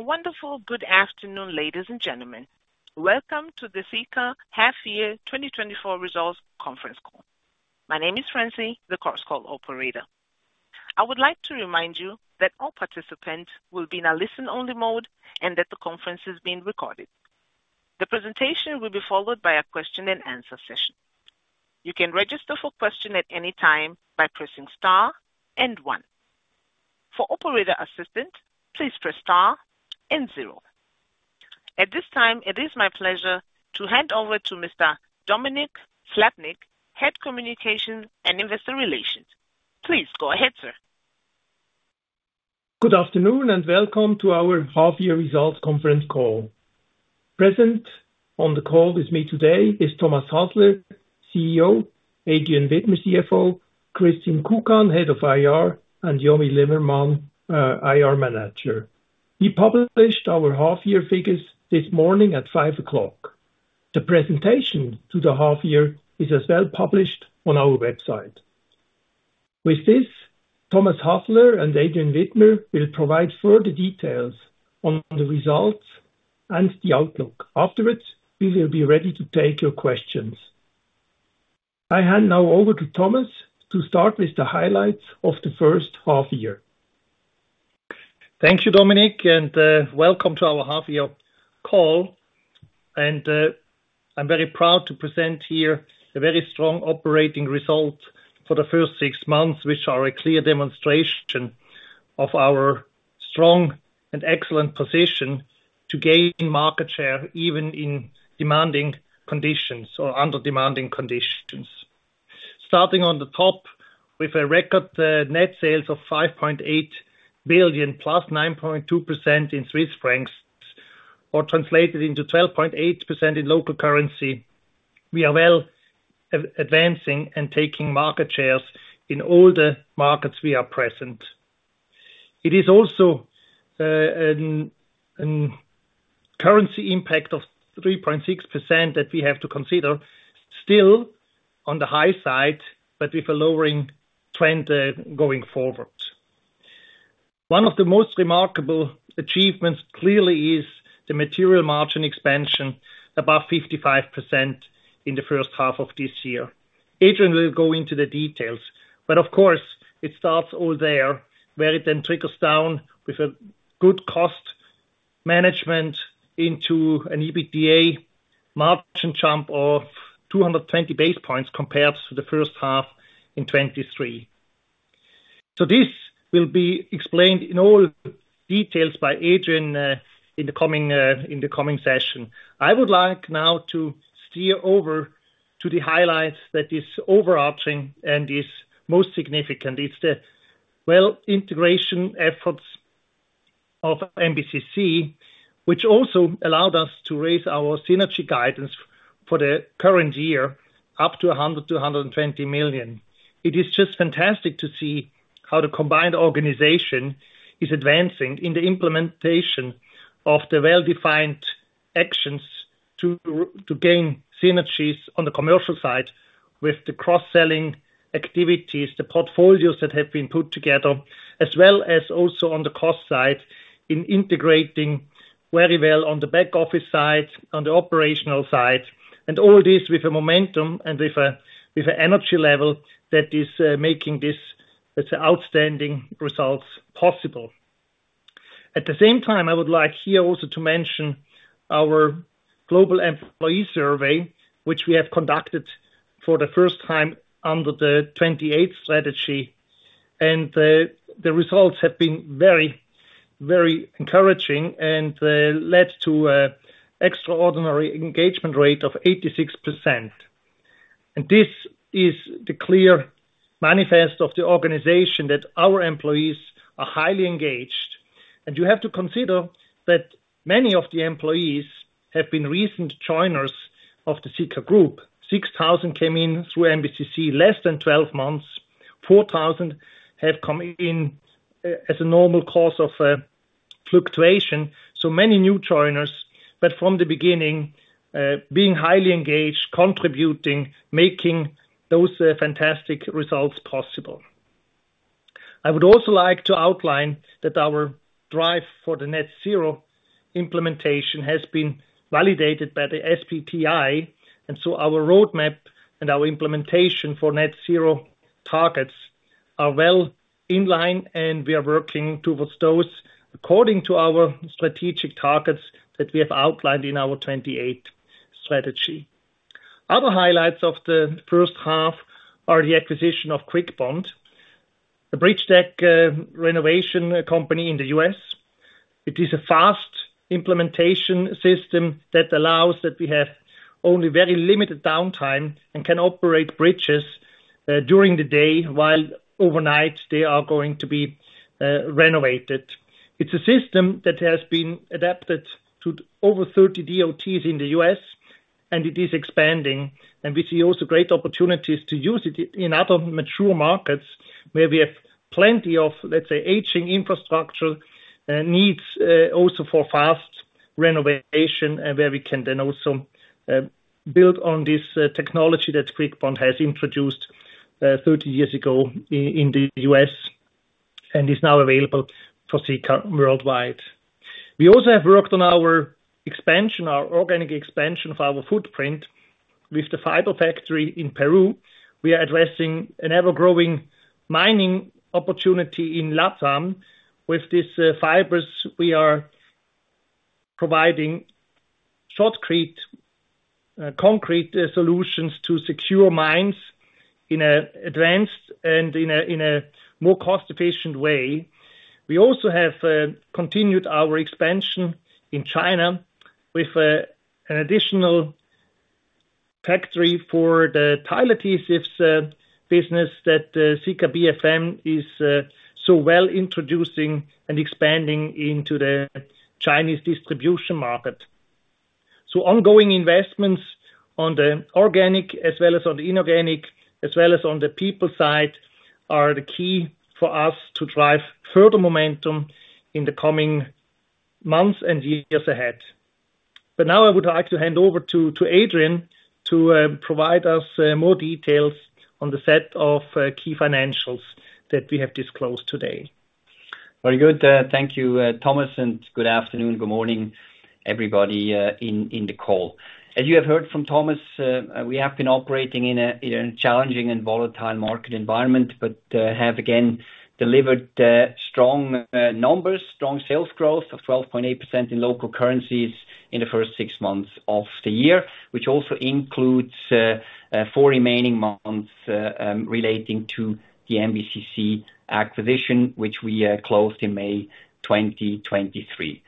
A wonderful good afternoon, ladies and gentlemen. Welcome to the Sika Half-Year 2024 Results Conference Call. My name is Francie, the conference call operator. I would like to remind you that all participants will be in a listen-only mode and that the conference is being recorded. The presentation will be followed by a question and answer session. You can register for question at any time by pressing star and one. For operator assistant, please press star and zero. At this time, it is my pleasure to hand over to Mr. Dominik Slappnig, Head of Communications and Investor Relations. Please go ahead, sir. Good afternoon, and welcome to our half-year results conference call. Present on the call with me today is Thomas Hasler, CEO, Adrian Widmer, CFO, Christine Kukan, Head of IR, and Jomi Lemmermann, IR Manager. We published our half-year figures this morning at 5:00 A.M. The presentation to the half year is as well published on our website. With this, Thomas Hasler and Adrian Widmer will provide further details on the results and the outlook. Afterwards, we will be ready to take your questions. I hand now over to Thomas to start with the highlights of the first half year. Thank you, Dominik, and welcome to our half-year call. I'm very proud to present here a very strong operating result for the first six months, which are a clear demonstration of our strong and excellent position to gain market share, even in demanding conditions or under demanding conditions. Starting on the top with a record net sales of 5.8 billion, plus 9.2% in Swiss francs, or translated into 12.8% in local currency, we are well advancing and taking market shares in all the markets we are present. It is also currency impact of 3.6% that we have to consider, still on the high side, but with a lowering trend going forward. One of the most remarkable achievements, clearly, is the material margin expansion, about 55% in the first half of this year. Adrian will go into the details, but of course, it starts all there, where it then trickles down with a good cost management into an EBITDA margin jump of 220 basis points compared to the first half in 2023. So this will be explained in all details by Adrian in the coming session. I would like now to steer over to the highlights that is overarching and is most significant. It's the well integration efforts of MBCC, which also allowed us to raise our synergy guidance for the current year, up to 100 million-120 million. It is just fantastic to see how the combined organization is advancing in the implementation of the well-defined actions to gain synergies on the commercial side with the cross-selling activities, the portfolios that have been put together, as well as also on the cost side, in integrating very well on the back office side, on the operational side, and all this with a momentum and with an energy level that is making this, let's say, outstanding results possible. At the same time, I would like here also to mention our global employee survey, which we have conducted for the first time under the 28 strategy, and the results have been very, very encouraging and led to an extraordinary engagement rate of 86%. And this is the clear manifest of the organization that our employees are highly engaged. You have to consider that many of the employees have been recent joiners of the Sika Group. 6,000 came in through MBCC, less than 12 months. 4,000 have come in as a normal course of fluctuation. So many new joiners, but from the beginning, being highly engaged, contributing, making those fantastic results possible. I would also like to outline that our drive for the net zero implementation has been validated by the SBTi, and so our roadmap and our implementation for net zero targets are well in line, and we are working towards those according to our strategic targets that we have outlined in our 2028 strategy. Other highlights of the first half are the acquisition of Kwik Bond, the bridge deck renovation company in the U.S. It is a fast implementation system that allows that we have only very limited downtime and can operate bridges during the day, while overnight they are going to be renovated. It's a system that has been adapted to over 30 DOTs in the U.S., and it is expanding, and we see also great opportunities to use it in other mature markets where we have plenty of, let's say, aging infrastructure needs also for fast renovation, and where we can then also build on this technology that Kwik Bond has introduced 30 years ago in the U.S., and is now available for Sika worldwide. We also have worked on our expansion, our organic expansion of our footprint with the fiber factory in Peru. We are addressing an ever-growing mining opportunity in LATAM. With these fibers, we are providing shotcrete concrete solutions to secure mines in an advanced and in a more cost-efficient way. We also have continued our expansion in China with an additional factory for the tile adhesives business that Sika BFM is so well introducing and expanding into the Chinese distribution market. So ongoing investments on the organic, as well as on the inorganic, as well as on the people side, are the key for us to drive further momentum in the coming months and years ahead. But now I would like to hand over to Adrian to provide us more details on the set of key financials that we have disclosed today. Very good. Thank you, Thomas, and good afternoon, good morning, everybody, in the call. As you have heard from Thomas, we have been operating in a challenging and volatile market environment, but have again delivered strong numbers, strong sales growth of 12.8% in local currencies in the first six months of the year, which also includes four remaining months relating to the MBCC acquisition, which we closed in May 2023.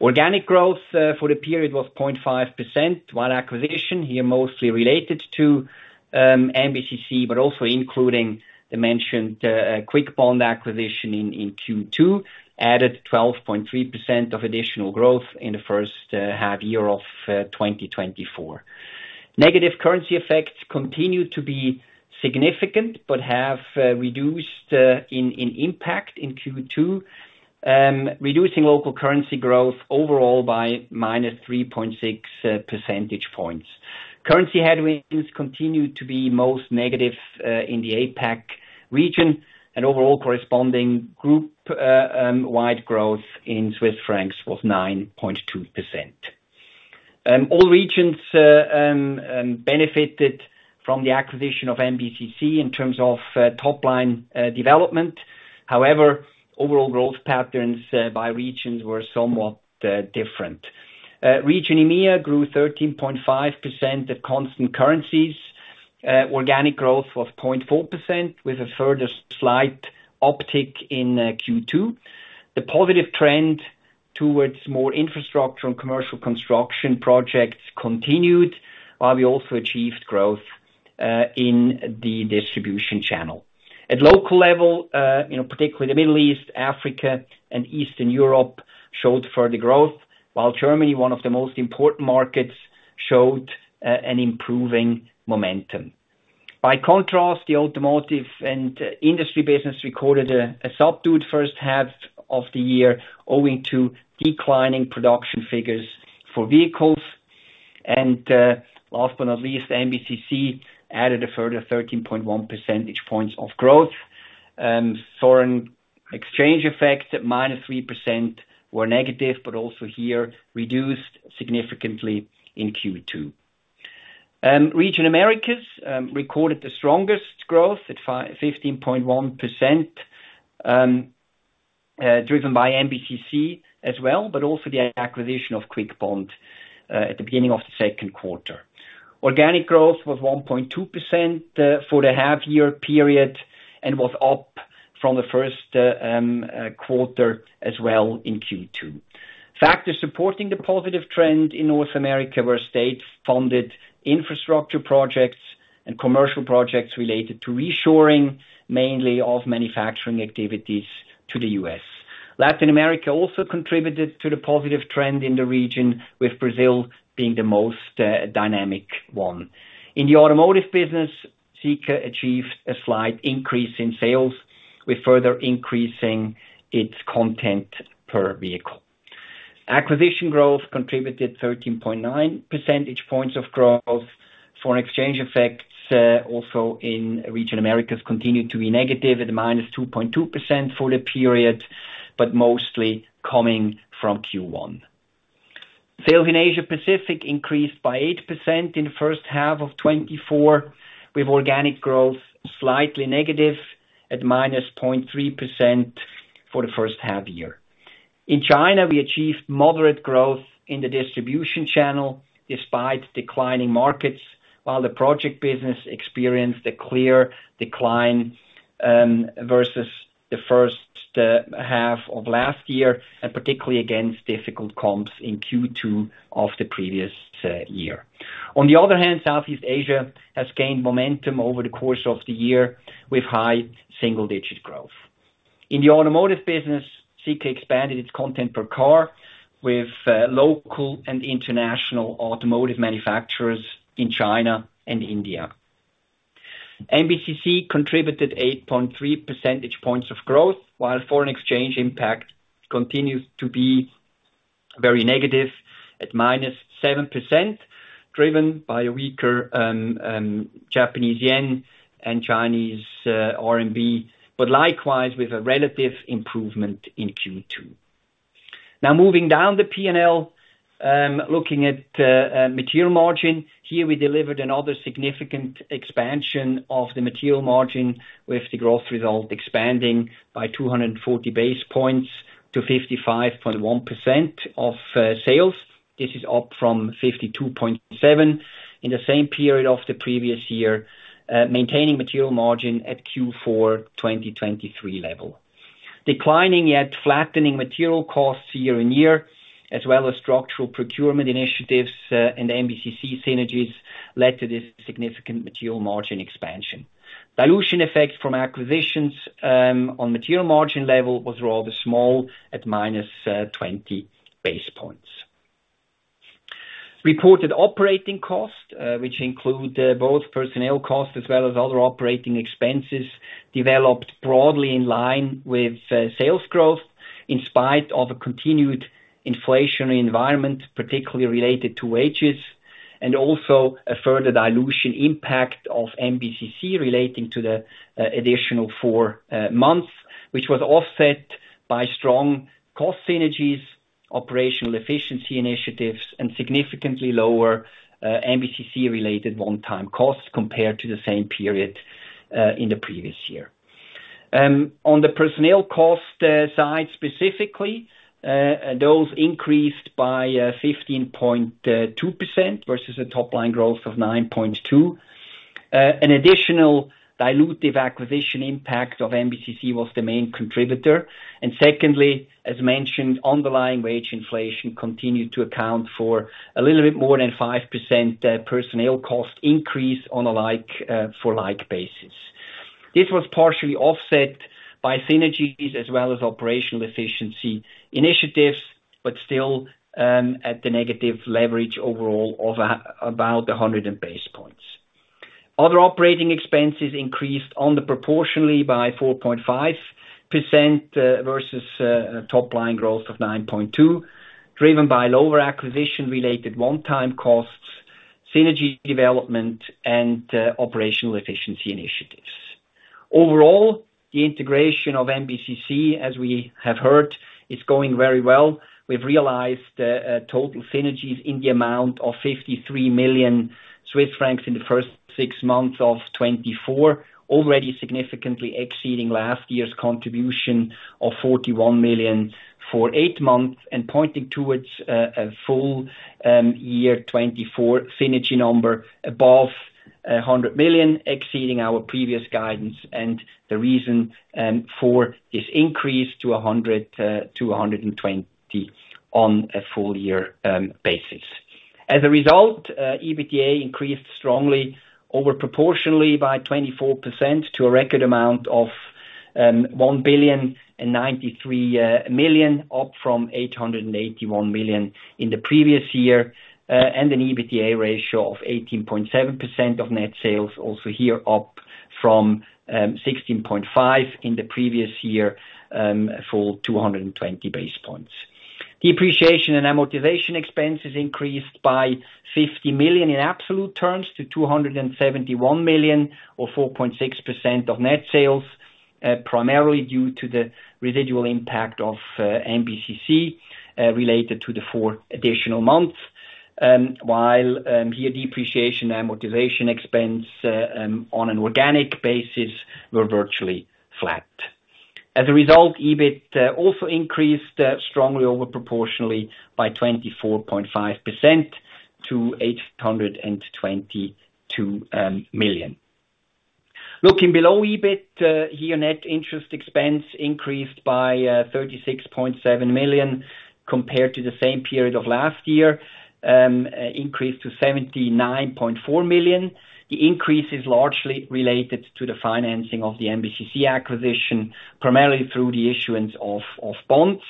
Organic growth for the period was 0.5%. One acquisition, here, mostly related to MBCC, but also including the mentioned Kwik Bond acquisition in Q2, added 12.3% of additional growth in the first half year of 2024. Negative currency effects continue to be significant, but have reduced in impact in Q2, reducing local currency growth overall by -3.6 percentage points. Currency headwinds continue to be most negative in the APAC region, and overall corresponding group-wide growth in CHF was 9.2%. All regions benefited from the acquisition of MBCC in terms of top line development. However, overall growth patterns by regions were somewhat different. Region EMEA grew 13.5% at constant currencies, organic growth of 0.4%, with a further slight uptick in Q2. The positive trend towards more infrastructure and commercial construction projects continued, while we also achieved growth in the distribution channel. At local level, you know, particularly the Middle East, Africa, and Eastern Europe, showed further growth, while Germany, one of the most important markets, showed an improving momentum. By contrast, the automotive and industry business recorded a subdued first half of the year, owing to declining production figures for vehicles. Last but not least, MBCC added a further 13.1 percentage points of growth. Foreign exchange effects at -3% were negative, but also here reduced significantly in Q2. Region Americas recorded the strongest growth at 15.1%, driven by MBCC as well, but also the acquisition of Kwik-Bond at the beginning of the second quarter. Organic growth was 1.2%, for the half year period, and was up from the first quarter as well in Q2. Factors supporting the positive trend in North America were state-funded infrastructure projects and commercial projects related to reshoring, mainly of manufacturing activities to the U.S. Latin America also contributed to the positive trend in the region, with Brazil being the most dynamic one. In the automotive business, Sika achieved a slight increase in sales, with further increasing its content per vehicle. Acquisition growth contributed 13.9 percentage points of growth. Foreign exchange effects also in region Americas continued to be negative at a -2.2% for the period, but mostly coming from Q1. Sales in Asia Pacific increased by 8% in the first half of 2024, with organic growth slightly negative at -0.3% for the first half year. In China, we achieved moderate growth in the distribution channel despite declining markets, while the project business experienced a clear decline versus the first half of last year, and particularly against difficult comps in Q2 of the previous year. On the other hand, Southeast Asia has gained momentum over the course of the year with high single-digit growth. In the automotive business, Sika expanded its content per car with local and international automotive manufacturers in China and India. MBCC contributed 8.3 percentage points of growth, while foreign exchange impact continues to be very negative at -7%, driven by a weaker Japanese yen and Chinese RMB, but likewise, with a relative improvement in Q2. Now moving down the P&L, looking at material margin. Here we delivered another significant expansion of the material margin, with the growth result expanding by 240 base points to 55.1% of sales. This is up from 52.7 in the same period of the previous year, maintaining material margin at Q4 2023 level. Declining yet flattening material costs year-on-year, as well as structural procurement initiatives, and MBCC synergies led to this significant material margin expansion. Dilution effect from acquisitions on material margin level was rather small at -20 base points. Reported operating costs, which include both personnel costs as well as other operating expenses, developed broadly in line with sales growth, in spite of a continued inflationary environment, particularly related to wages, and also a further dilution impact of MBCC relating to the additional four months, which was offset by strong cost synergies, operational efficiency initiatives, and significantly lower MBCC-related one-time costs compared to the same period in the previous year. On the personnel cost side, specifically, those increased by 15.2% versus a top line growth of 9.2%. An additional dilutive acquisition impact of MBCC was the main contributor, and secondly, as mentioned, underlying wage inflation continued to account for a little bit more than 5% personnel cost increase on a like-for-like basis. This was partially offset by synergies as well as operational efficiency initiatives, but still, at the negative leverage overall of about 100 basis points. Other operating expenses increased proportionally by 4.5%, versus a top line growth of 9.2, driven by lower acquisition-related one-time costs, synergy development, and operational efficiency initiatives. Overall, the integration of MBCC, as we have heard, is going very well. We've realized total synergies in the amount of 53 million Swiss francs in the first six months of 2024, already significantly exceeding last year's contribution of 41 million for eight months and pointing towards a full year 2024 synergy number above 100 million, exceeding our previous guidance and the reason for this increase to a hundred to 120 million on a full year basis. As a result, EBITDA increased strongly, over proportionally by 24% to a record amount of 1,093 million, up from 881 million in the previous year and an EBITDA ratio of 18.7% of net sales, also here, up from 16.5% in the previous year for 220 basis points. Depreciation and amortization expenses increased by 50 million in absolute terms, to 271 million, or 4.6% of net sales, primarily due to the residual impact of MBCC related to the four additional months, while here depreciation and amortization expense on an organic basis were virtually flat. As a result, EBIT also increased strongly over proportionally by 24.5% to 822 million. Looking below EBIT, here net interest expense increased by 36.7 million compared to the same period of last year, increased to 79.4 million. The increase is largely related to the financing of the MBCC acquisition, primarily through the issuance of bonds.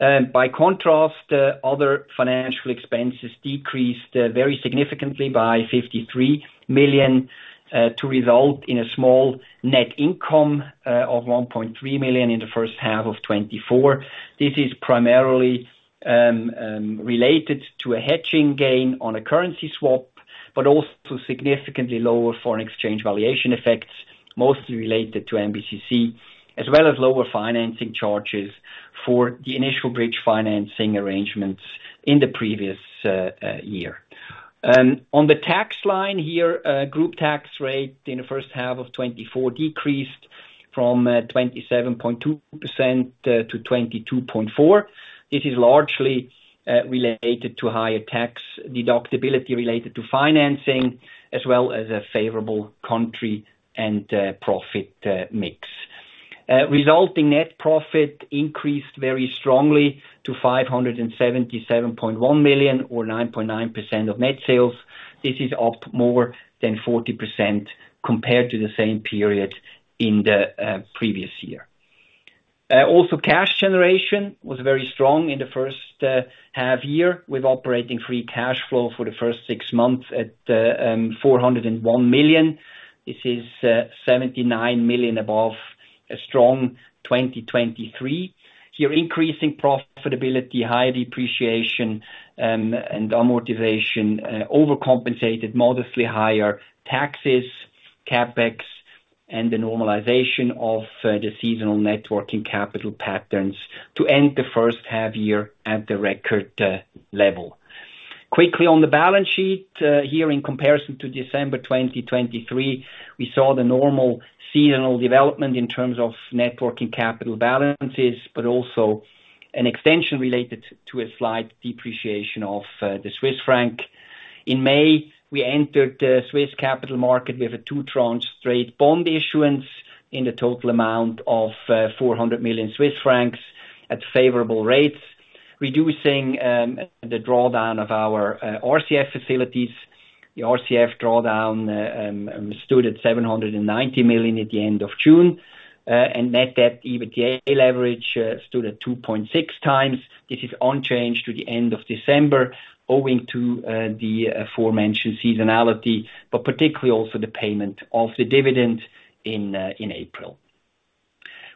By contrast, other financial expenses decreased very significantly by 53 million to result in a small net income of 1.3 million in the first half of 2024. This is primarily related to a hedging gain on a currency swap, but also significantly lower foreign exchange valuation effects, mostly related to MBCC, as well as lower financing charges for the initial bridge financing arrangements in the previous year. On the tax line here, group tax rate in the first half of 2024 decreased from 27.2% to 22.4%. This is largely related to higher tax deductibility related to financing, as well as a favorable country and profit mix. Resulting net profit increased very strongly to 577.1 million, or 9.9% of net sales. This is up more than 40% compared to the same period in the previous year. Also cash generation was very strong in the first half year, with operating free cash flow for the first six months at 401 million. This is 79 million above a strong 2023. Here, increasing profitability, high depreciation, and amortization overcompensated modestly higher taxes, CapEx, and the normalization of the seasonal working capital patterns to end the first half year at the record level. Quickly on the balance sheet, here in comparison to December 2023, we saw the normal seasonal development in terms of net working capital balances, but also an extension related to a slight depreciation of the Swiss franc. In May, we entered the Swiss capital market with a two-tranche straight bond issuance in the total amount of 400 million Swiss francs at favorable rates, reducing the drawdown of our RCF facilities. The RCF drawdown stood at 790 million at the end of June, and net debt EBITDA leverage stood at 2.6x. This is unchanged to the end of December, owing to the aforementioned seasonality, but particularly also the payment of the dividend in April.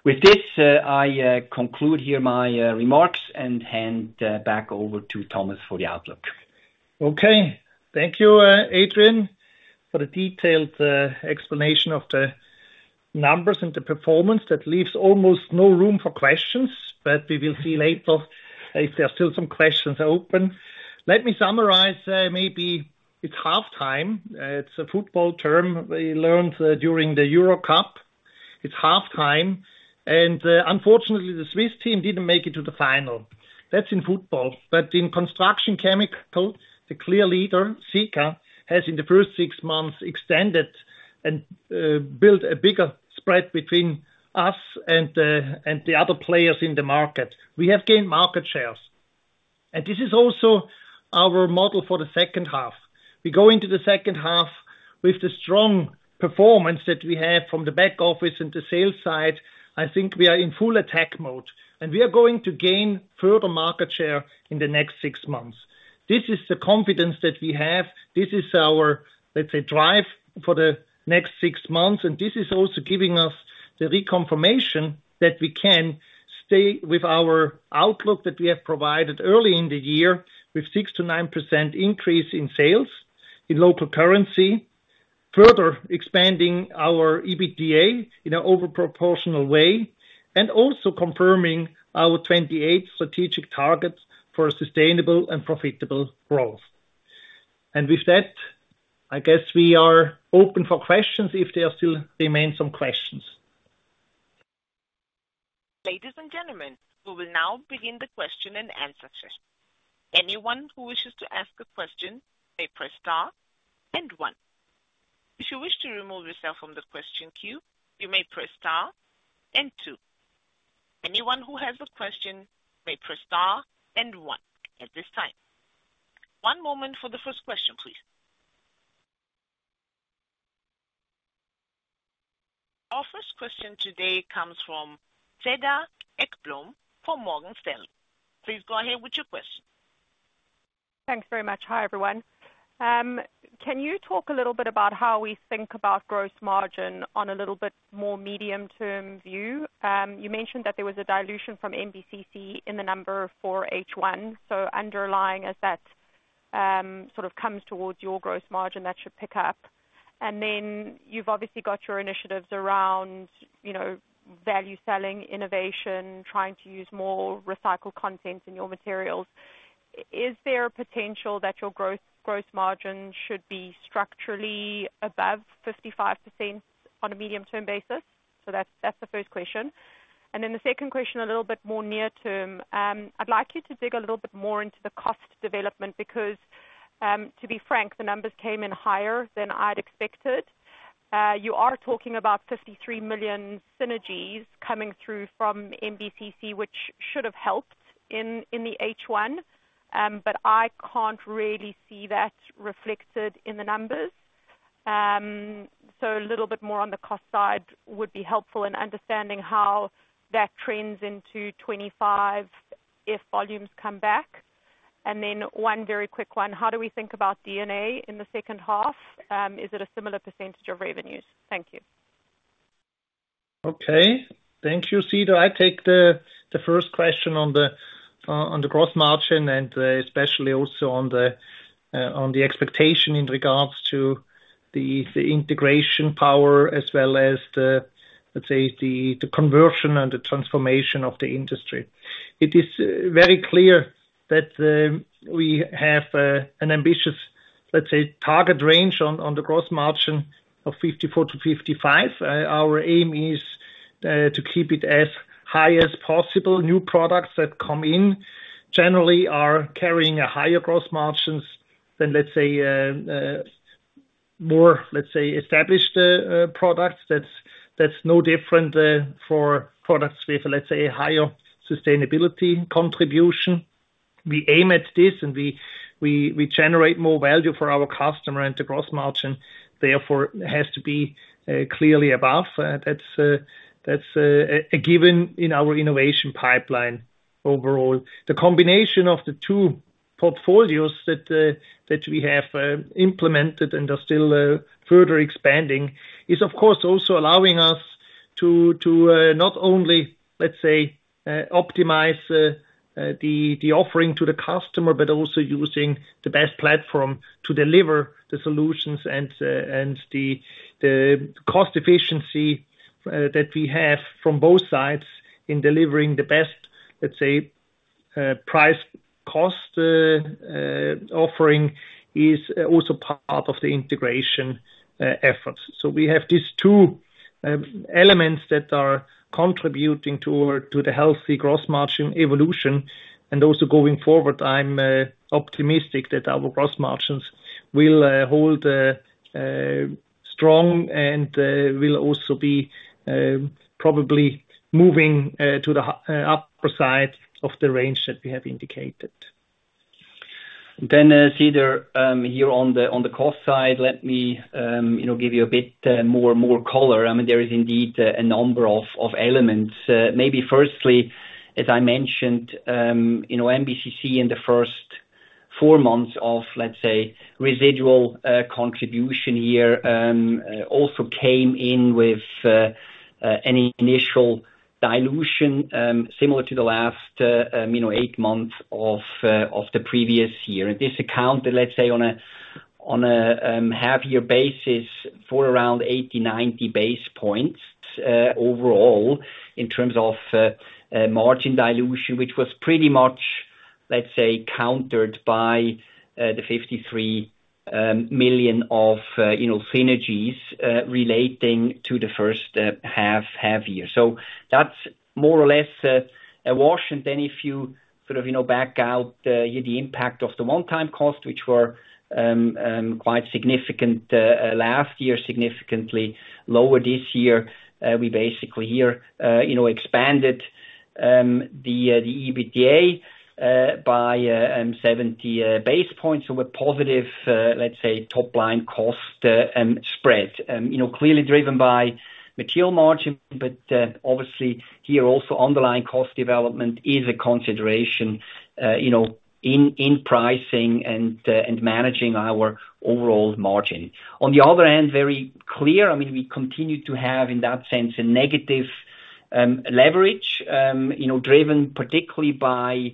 With this, I conclude here my remarks and hand back over to Thomas for the outlook. Okay. Thank you, Adrian, for the detailed explanation of the numbers and the performance. That leaves almost no room for questions, but we will see later if there are still some questions open. Let me summarize. Maybe it's half time. It's a football term we learned during the Euro Cup. It's half time, and unfortunately, the Swiss team didn't make it to the final. That's in football, but in construction chemical, the clear leader, Sika, has in the first six months extended and built a bigger spread between us and the other players in the market. We have gained market shares, and this is also our model for the second half. We go into the second half with the strong performance that we have from the back office and the sales side. I think we are in full attack mode, and we are going to gain further market share in the next six months. This is the confidence that we have. This is our, let's say, drive for the next six months, and this is also giving us the reconfirmation that we can stay with our outlook that we have provided early in the year, with 6%-9% increase in sales in local currency. Further expanding our EBITDA in an overproportional way, and also confirming our 28 strategic targets for a sustainable and profitable growth. With that, I guess we are open for questions if there still remain some questions. Ladies and gentlemen, we will now begin the question-and-answer session. Anyone who wishes to ask a question may press star and one. If you wish to remove yourself from the question queue, you may press star and two. Anyone who has a question may press star and one at this time. One moment for the first question, please. Our first question today comes from Cedar Ekblom for Morgan Stanley. Please go ahead with your question. Thanks very much. Hi, everyone. Can you talk a little bit about how we think about gross margin on a little bit more medium-term view? You mentioned that there was a dilution from MBCC in the number for H1, so underlying as that, sort of comes towards your gross margin, that should pick up. And then you've obviously got your initiatives around, you know, value selling, innovation, trying to use more recycled content in your materials. Is there a potential that your gross, gross margin should be structurally above 55% on a medium-term basis? So that's, that's the first question. And then the second question, a little bit more near term. I'd like you to dig a little bit more into the cost development, because, to be frank, the numbers came in higher than I'd expected. You are talking about 53 million synergies coming through from MBCC, which should have helped in, in the H1, but I can't really see that reflected in the numbers. So a little bit more on the cost side would be helpful in understanding how that trends into 2025 if volumes come back. And then one very quick one: How do we think about DNA in the second half? Is it a similar percentage of revenues? Thank you. Okay. Thank you, Cedar. I take the first question on the gross margin and especially also on the expectation in regards to the integration power as well as the, let's say, the conversion and the transformation of the industry. It is very clear that we have an ambitious, let's say, target range on the gross margin of 54%-55%. Our aim is to keep it as high as possible. New products that come in generally are carrying a higher gross margins than, let's say, more, let's say, established products. That's no different for products with, let's say, a higher sustainability contribution.... We aim at this and we generate more value for our customer, and the gross margin therefore has to be clearly above. That's a given in our innovation pipeline overall. The combination of the two portfolios that we have implemented and are still further expanding is of course also allowing us to not only, let's say, optimize the offering to the customer, but also using the best platform to deliver the solutions and the cost efficiency that we have from both sides in delivering the best, let's say, price-cost offering is also part of the integration efforts. So we have these two elements that are contributing toward to the healthy gross margin evolution, and also going forward, I'm optimistic that our gross margins will hold strong and will also be probably moving to the upper side of the range that we have indicated. Then, see there, here on the, on the cost side, let me you know give you a bit more, more color. I mean, there is indeed a number of, of elements. Maybe firstly, as I mentioned, you know, MBCC in the first four months of, let's say, residual contribution year also came in with an initial dilution similar to the last you know eight months of of the previous year. And this account, let's say on a half-year basis for around 80-90 basis points, overall, in terms of margin dilution, which was pretty much, let's say, countered by the 53 million of, you know, synergies, relating to the first half year. So that's more or less a wash. And then if you sort of, you know, back out, yeah, the impact of the one-time costs, which were quite significant last year, significantly lower this year, we basically here, you know, expanded the EBITDA by 70 basis points. So a positive, let's say, top line cost spread. You know, clearly driven by material margin, but obviously, here also underlying cost development is a consideration, you know, in, in pricing and and managing our overall margin. On the other hand, very clear, I mean, we continue to have, in that sense, a negative leverage, you know, driven particularly by,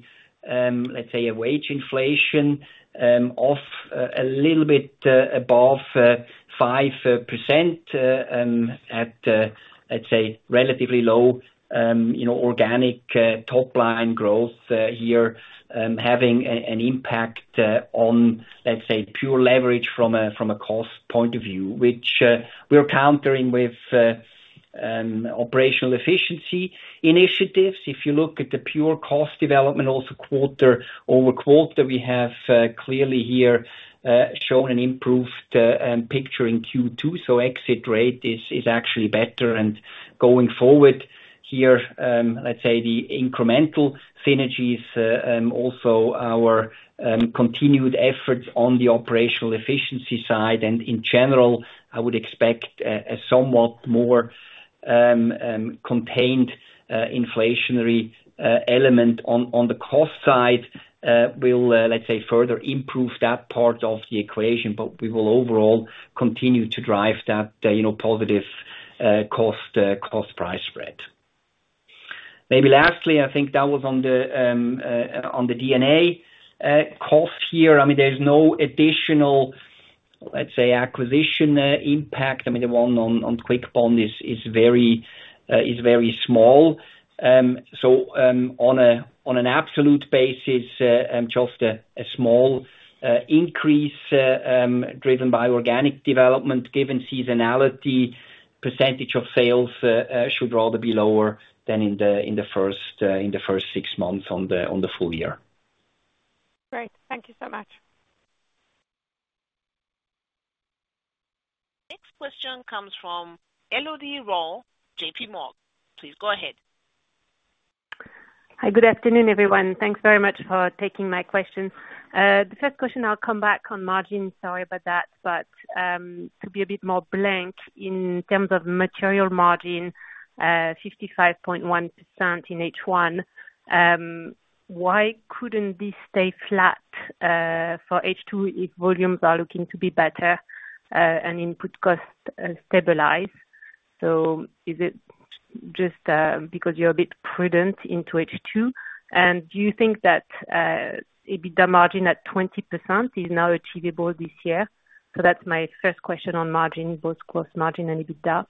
let's say, a wage inflation of a little bit above 5%, at let's say, relatively low, you know, organic top line growth here. Having an impact on, let's say, pure leverage from a cost point of view, which we're countering with operational efficiency initiatives. If you look at the pure cost development, also quarter-over-quarter, we have clearly here shown an improved picture in Q2, so exit rate is actually better. And going forward here, let's say the incremental synergies also our continued efforts on the operational efficiency side, and in general, I would expect a somewhat more contained inflationary element on the cost side will let's say further improve that part of the equation. But we will overall continue to drive that, you know, positive cost price spread. Maybe lastly, I think that was on the DNA cost here. I mean, there's no additional, let's say, acquisition impact. I mean, the one on Quickborn is very small. So, on an absolute basis, just a small increase, driven by organic development, given seasonality. Percentage of sales should rather be lower than in the first six months on the full year. Great. Thank you so much. Next question comes from Elodie Rall, JP Morgan. Please go ahead. Hi. Good afternoon, everyone. Thanks very much for taking my question. The first question, I'll come back on margin. Sorry about that, but, to be a bit more blunt, in terms of material margin, 55.1% in H1, why couldn't this stay flat, for H2 if volumes are looking to be better, and input costs stabilize? So is it just because you're a bit prudent into H2? And do you think that, EBITDA margin at 20% is now achievable this year? So that's my first question on margin, both gross margin and EBITDA.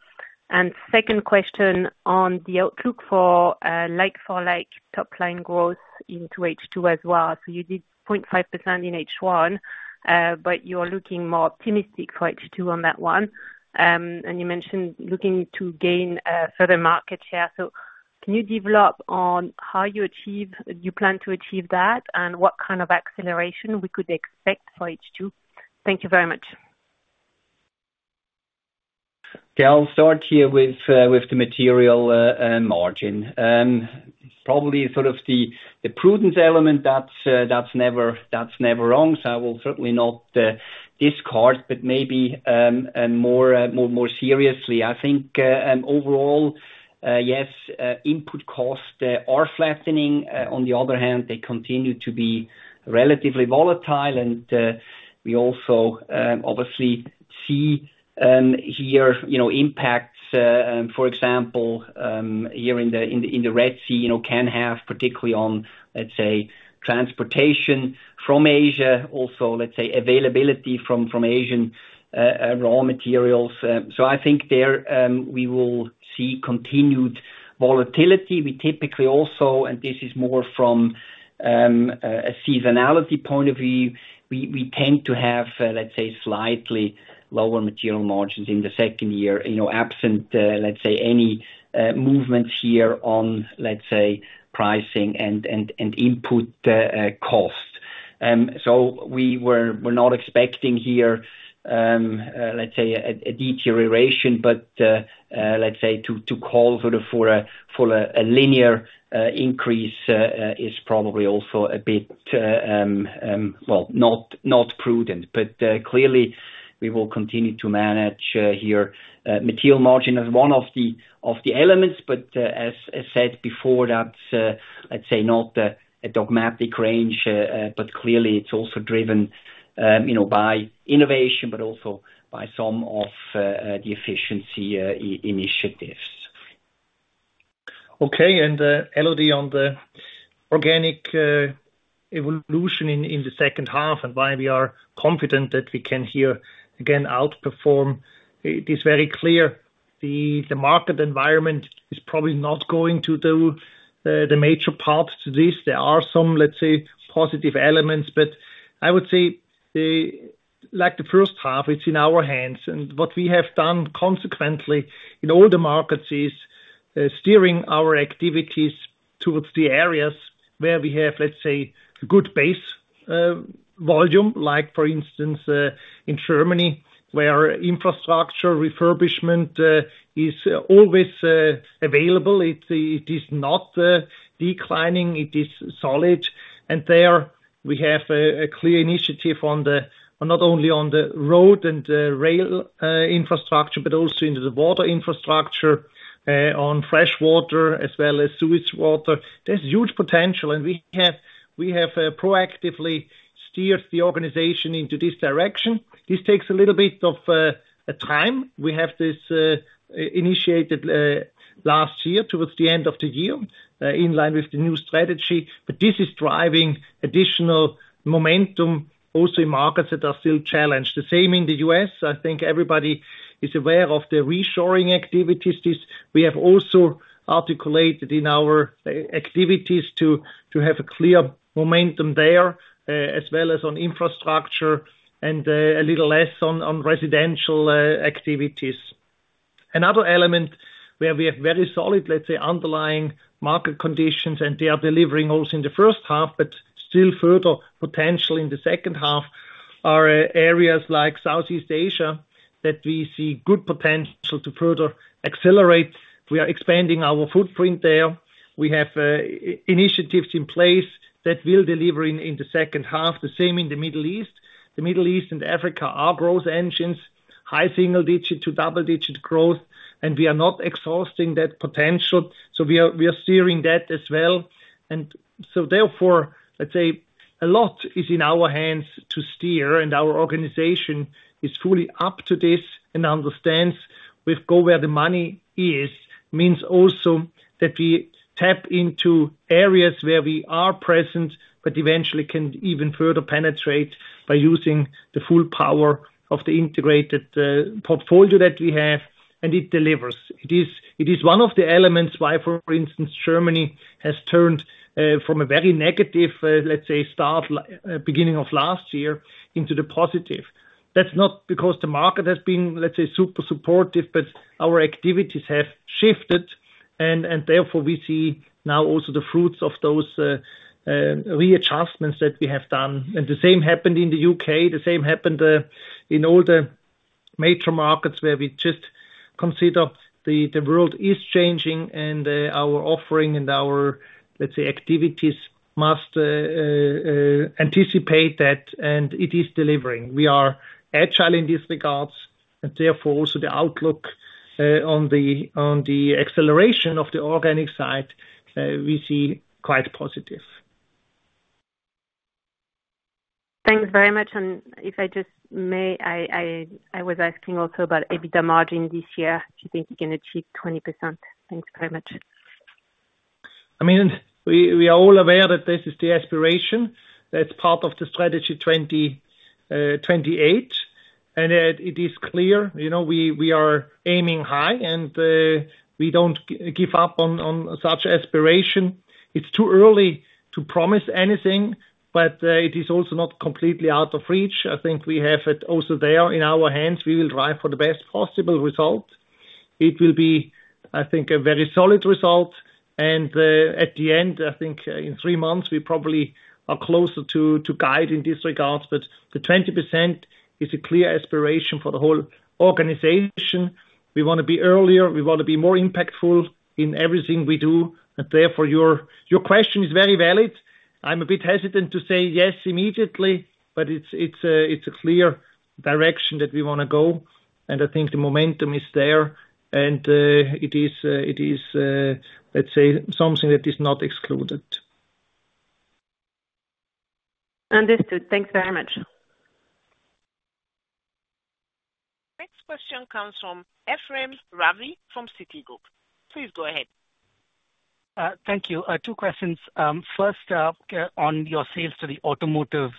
And second question on the outlook for, like-for-like top-line growth into H2 as well. So you did 0.5% in H1, but you're looking more optimistic for H2 on that one. You mentioned looking to gain further market share. So can you develop on how you achieve, you plan to achieve that, and what kind of acceleration we could expect for H2? Thank you very much. ... Okay, I'll start here with the material margin. Probably sort of the prudence element that's never wrong, so I will certainly not discard, but maybe more seriously. I think overall, yes, input costs are flattening. On the other hand, they continue to be relatively volatile, and we also obviously see here, you know, impacts, for example, here in the Red Sea, you know, can have particularly on, let's say, transportation from Asia, also, let's say, availability from Asian raw materials. So I think there we will see continued volatility. We typically also, and this is more from a seasonality point of view, we tend to have, let's say, slightly lower material margins in the second year, you know, absent, let's say, any movements here on, let's say, pricing and input cost. So we're not expecting here, let's say, a deterioration, but, let's say, to call for a linear increase is probably also a bit, well, not prudent. But clearly, we will continue to manage here material margin as one of the elements. But, as I said before, that's, let's say, not a dogmatic range, but clearly, it's also driven, you know, by innovation, but also by some of the efficiency initiatives. Okay, and, Elodie, on the organic evolution in the second half, and why we are confident that we can here again, outperform. It is very clear the market environment is probably not going to do the major parts to this. There are some, let's say, positive elements, but I would say like the first half, it's in our hands. And what we have done consequently in all the markets is steering our activities towards the areas where we have, let's say, a good base volume. Like, for instance, in Germany, where infrastructure refurbishment is always available. It is not declining, it is solid. And there we have a clear initiative on not only on the road and rail infrastructure, but also into the water infrastructure on fresh water as well as sewage water. There's huge potential, and we have proactively steered the organization into this direction. This takes a little bit of time. We have this initiated last year, towards the end of the year, in line with the new strategy. But this is driving additional momentum also in markets that are still challenged. The same in the U.S. I think everybody is aware of the reshoring activities. This we have also articulated in our activities to have a clear momentum there, as well as on infrastructure and a little less on residential activities. Another element where we have very solid, let's say, underlying market conditions, and they are delivering also in the first half, but still further potential in the second half, are areas like Southeast Asia, that we see good potential to further accelerate. We are expanding our footprint there. We have initiatives in place that will deliver in the second half, the same in the Middle East. The Middle East and Africa are growth engines, high single digit to double-digit growth, and we are not exhausting that potential. So we are steering that as well. And so therefore, let's say, a lot is in our hands to steer, and our organization is fully up to this and understands with go where the money is, means also that we tap into areas where we are present, but eventually can even further penetrate by using the full power of the integrated portfolio that we have, and it delivers. It is, it is one of the elements why, for instance, Germany has turned from a very negative, let's say, start, beginning of last year into the positive. That's not because the market has been, let's say, super supportive, but our activities have shifted and, and therefore we see now also the fruits of those readjustments that we have done. The same happened in the U.K, the same happened in all the major markets where we just consider the world is changing and our offering and our, let's say, activities must anticipate that, and it is delivering. We are not challenged in these regards, and therefore also the outlook on the acceleration of the organic side, we see quite positive. Thanks very much. And if I just may, I was asking also about EBITDA margin this year. Do you think you can achieve 20%? Thanks very much. I mean, we are all aware that this is the aspiration. That's part of the strategy 2028, and it is clear, you know, we are aiming high, and we don't give up on such aspiration. It's too early to promise anything, but it is also not completely out of reach. I think we have it also there in our hands. We will drive for the best possible result. It will be, I think, a very solid result, and at the end, I think, in three months, we probably are closer to guide in this regard. But the 20% is a clear aspiration for the whole organization. We wanna be earlier, we wanna be more impactful in everything we do, and therefore, your question is very valid. I'm a bit hesitant to say yes immediately, but it's a clear direction that we wanna go, and I think the momentum is there, and it is, let's say, something that is not excluded. Understood. Thanks very much. Next question comes from Ephrem Ravi, from Citigroup. Please go ahead. Thank you. Two questions. First, on your sales to the automotive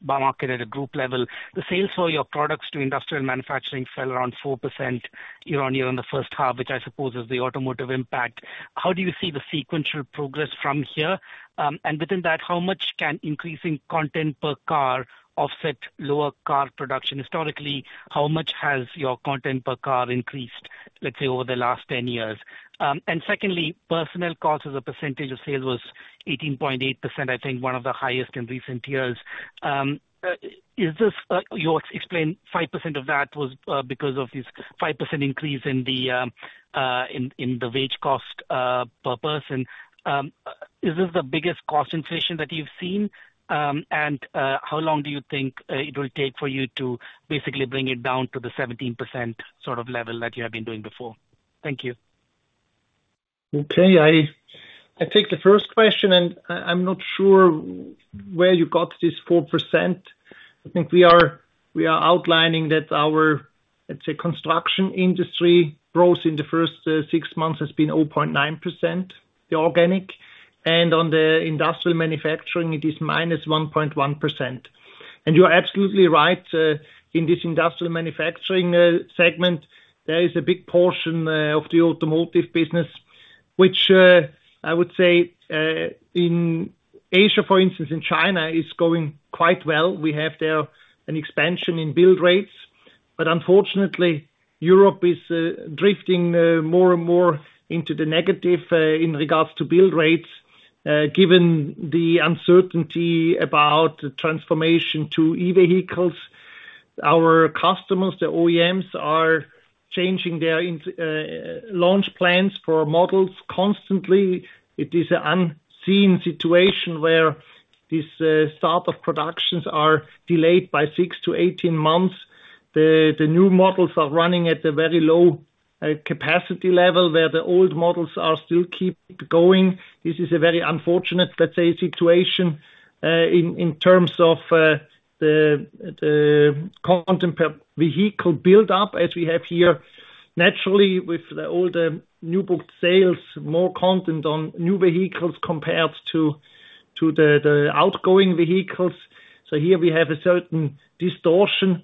market at a group level. The sales for your products to industrial manufacturing fell around 4% year-on-year in the first half, which I suppose is the automotive impact. How do you see the sequential progress from here? And within that, how much can increasing content per car offset lower car production? Historically, how much has your content per car increased, let's say, over the last 10 years? And secondly, personnel costs as a percentage of sales was 18.8%, I think, one of the highest in recent years. Is this, you explained 5% of that was, because of this 5% increase in the wage cost per person. Is this the biggest cost inflation that you've seen? And, how long do you think it will take for you to basically bring it down to the 17% sort of level that you have been doing before? Thank you. Okay. I take the first question, and I'm not sure where you got this 4%. I think we are outlining that our, let's say, construction industry growth in the first six months has been 0.9%, the organic, and on the industrial manufacturing, it is -1.1%. And you are absolutely right, in this industrial manufacturing segment, there is a big portion of the automotive business which, I would say, in Asia, for instance, in China, is going quite well. We have there an expansion in build rates, but unfortunately, Europe is drifting more and more into the negative in regards to build rates. Given the uncertainty about the transformation to e-vehicles, our customers, the OEMs, are changing their launch plans for models constantly. It is an unseen situation where this start of productions are delayed by 6-18 months. The new models are running at a very low capacity level, where the old models are still keep going. This is a very unfortunate, let's say, situation in terms of the content per vehicle build-up, as we have here. Naturally, with the older new book sales, more content on new vehicles compared to the outgoing vehicles, so here we have a certain distortion.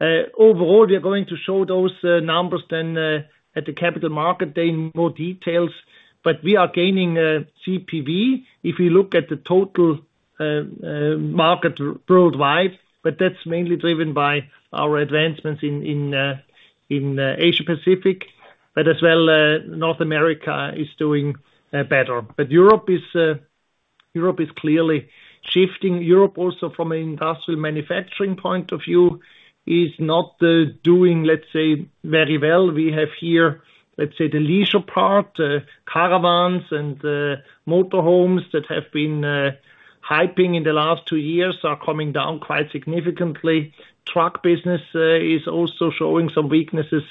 Overall, we are going to show those numbers then at the Capital Market Day in more details, but we are gaining CPV if you look at the total market worldwide, but that's mainly driven by our advancements in Asia Pacific, but as well North America is doing better. But Europe is Europe is clearly shifting. Europe, also from an industrial manufacturing point of view, is not doing, let's say, very well. We have here, let's say, the leisure part, caravans and motor homes that have been hyping in the last two years, are coming down quite significantly. Truck business is also showing some weaknesses.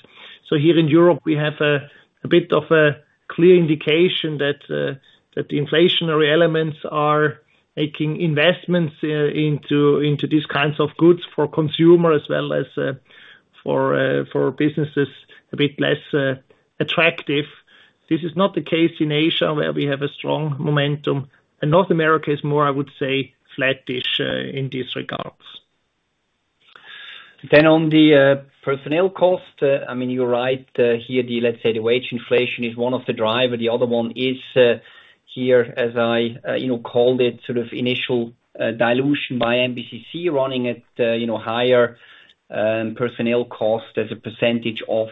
So here in Europe, we have a bit of a clear indication that the inflationary elements are making investments into these kinds of goods for consumers, as well as for businesses, a bit less attractive. This is not the case in Asia, where we have a strong momentum, and North America is more, I would say, flat-ish, in these regards. Then on the personnel cost, I mean, you're right, here, the let's say, the wage inflation is one of the driver. The other one is, here, as I you know called it, sort of initial dilution by MBCC running at, you know, higher personnel cost as a percentage of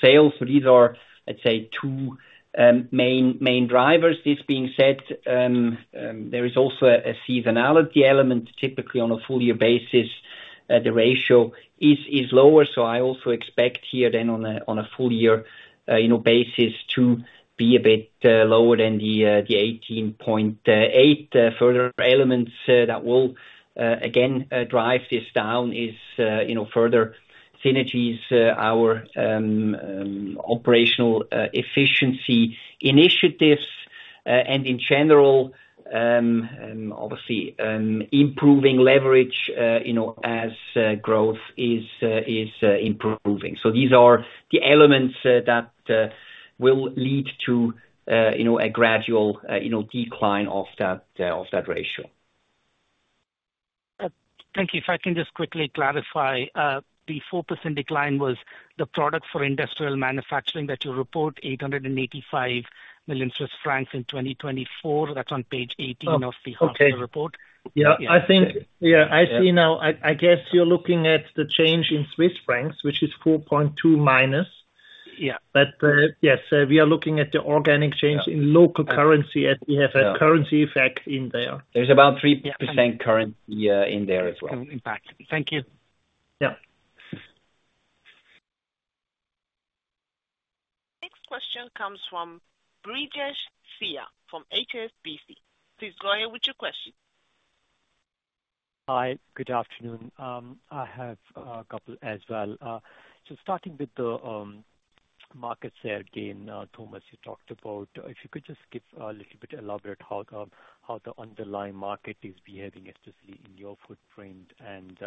sales. So these are, I'd say, 2 main drivers. This being said, there is also a seasonality element. Typically, on a full year basis, the ratio is lower, so I also expect here then on a full year, you know, basis to be a bit lower than the 18.8. Further elements that will again drive this down is, you know, further synergies, our operational efficiency initiatives, and in general, obviously, improving leverage, you know, as growth is improving. So these are the elements that will lead to, you know, a gradual, you know, decline of that of that ratio. Thank you. If I can just quickly clarify, the 4% decline was the product for industrial manufacturing that you report, 885 million Swiss francs in 2024. That's on page 18 of the- Okay. Half-year report. Yeah, I think- Yeah. Yeah, I see now. I guess you're looking at the change in Swiss francs, which is 4.2-.... Yeah, but yes, we are looking at the organic change in local currency, as we have a currency effect in there. There's about 3% currency in there as well. Impact. Thank you. Yeah. Next question comes from Brijesh Siya, from HSBC. Please go ahead with your question. Hi, good afternoon. I have a couple as well. So starting with the market share gain, Thomas, you talked about, if you could just give a little bit elaborate how the underlying market is behaving, especially in your footprint, and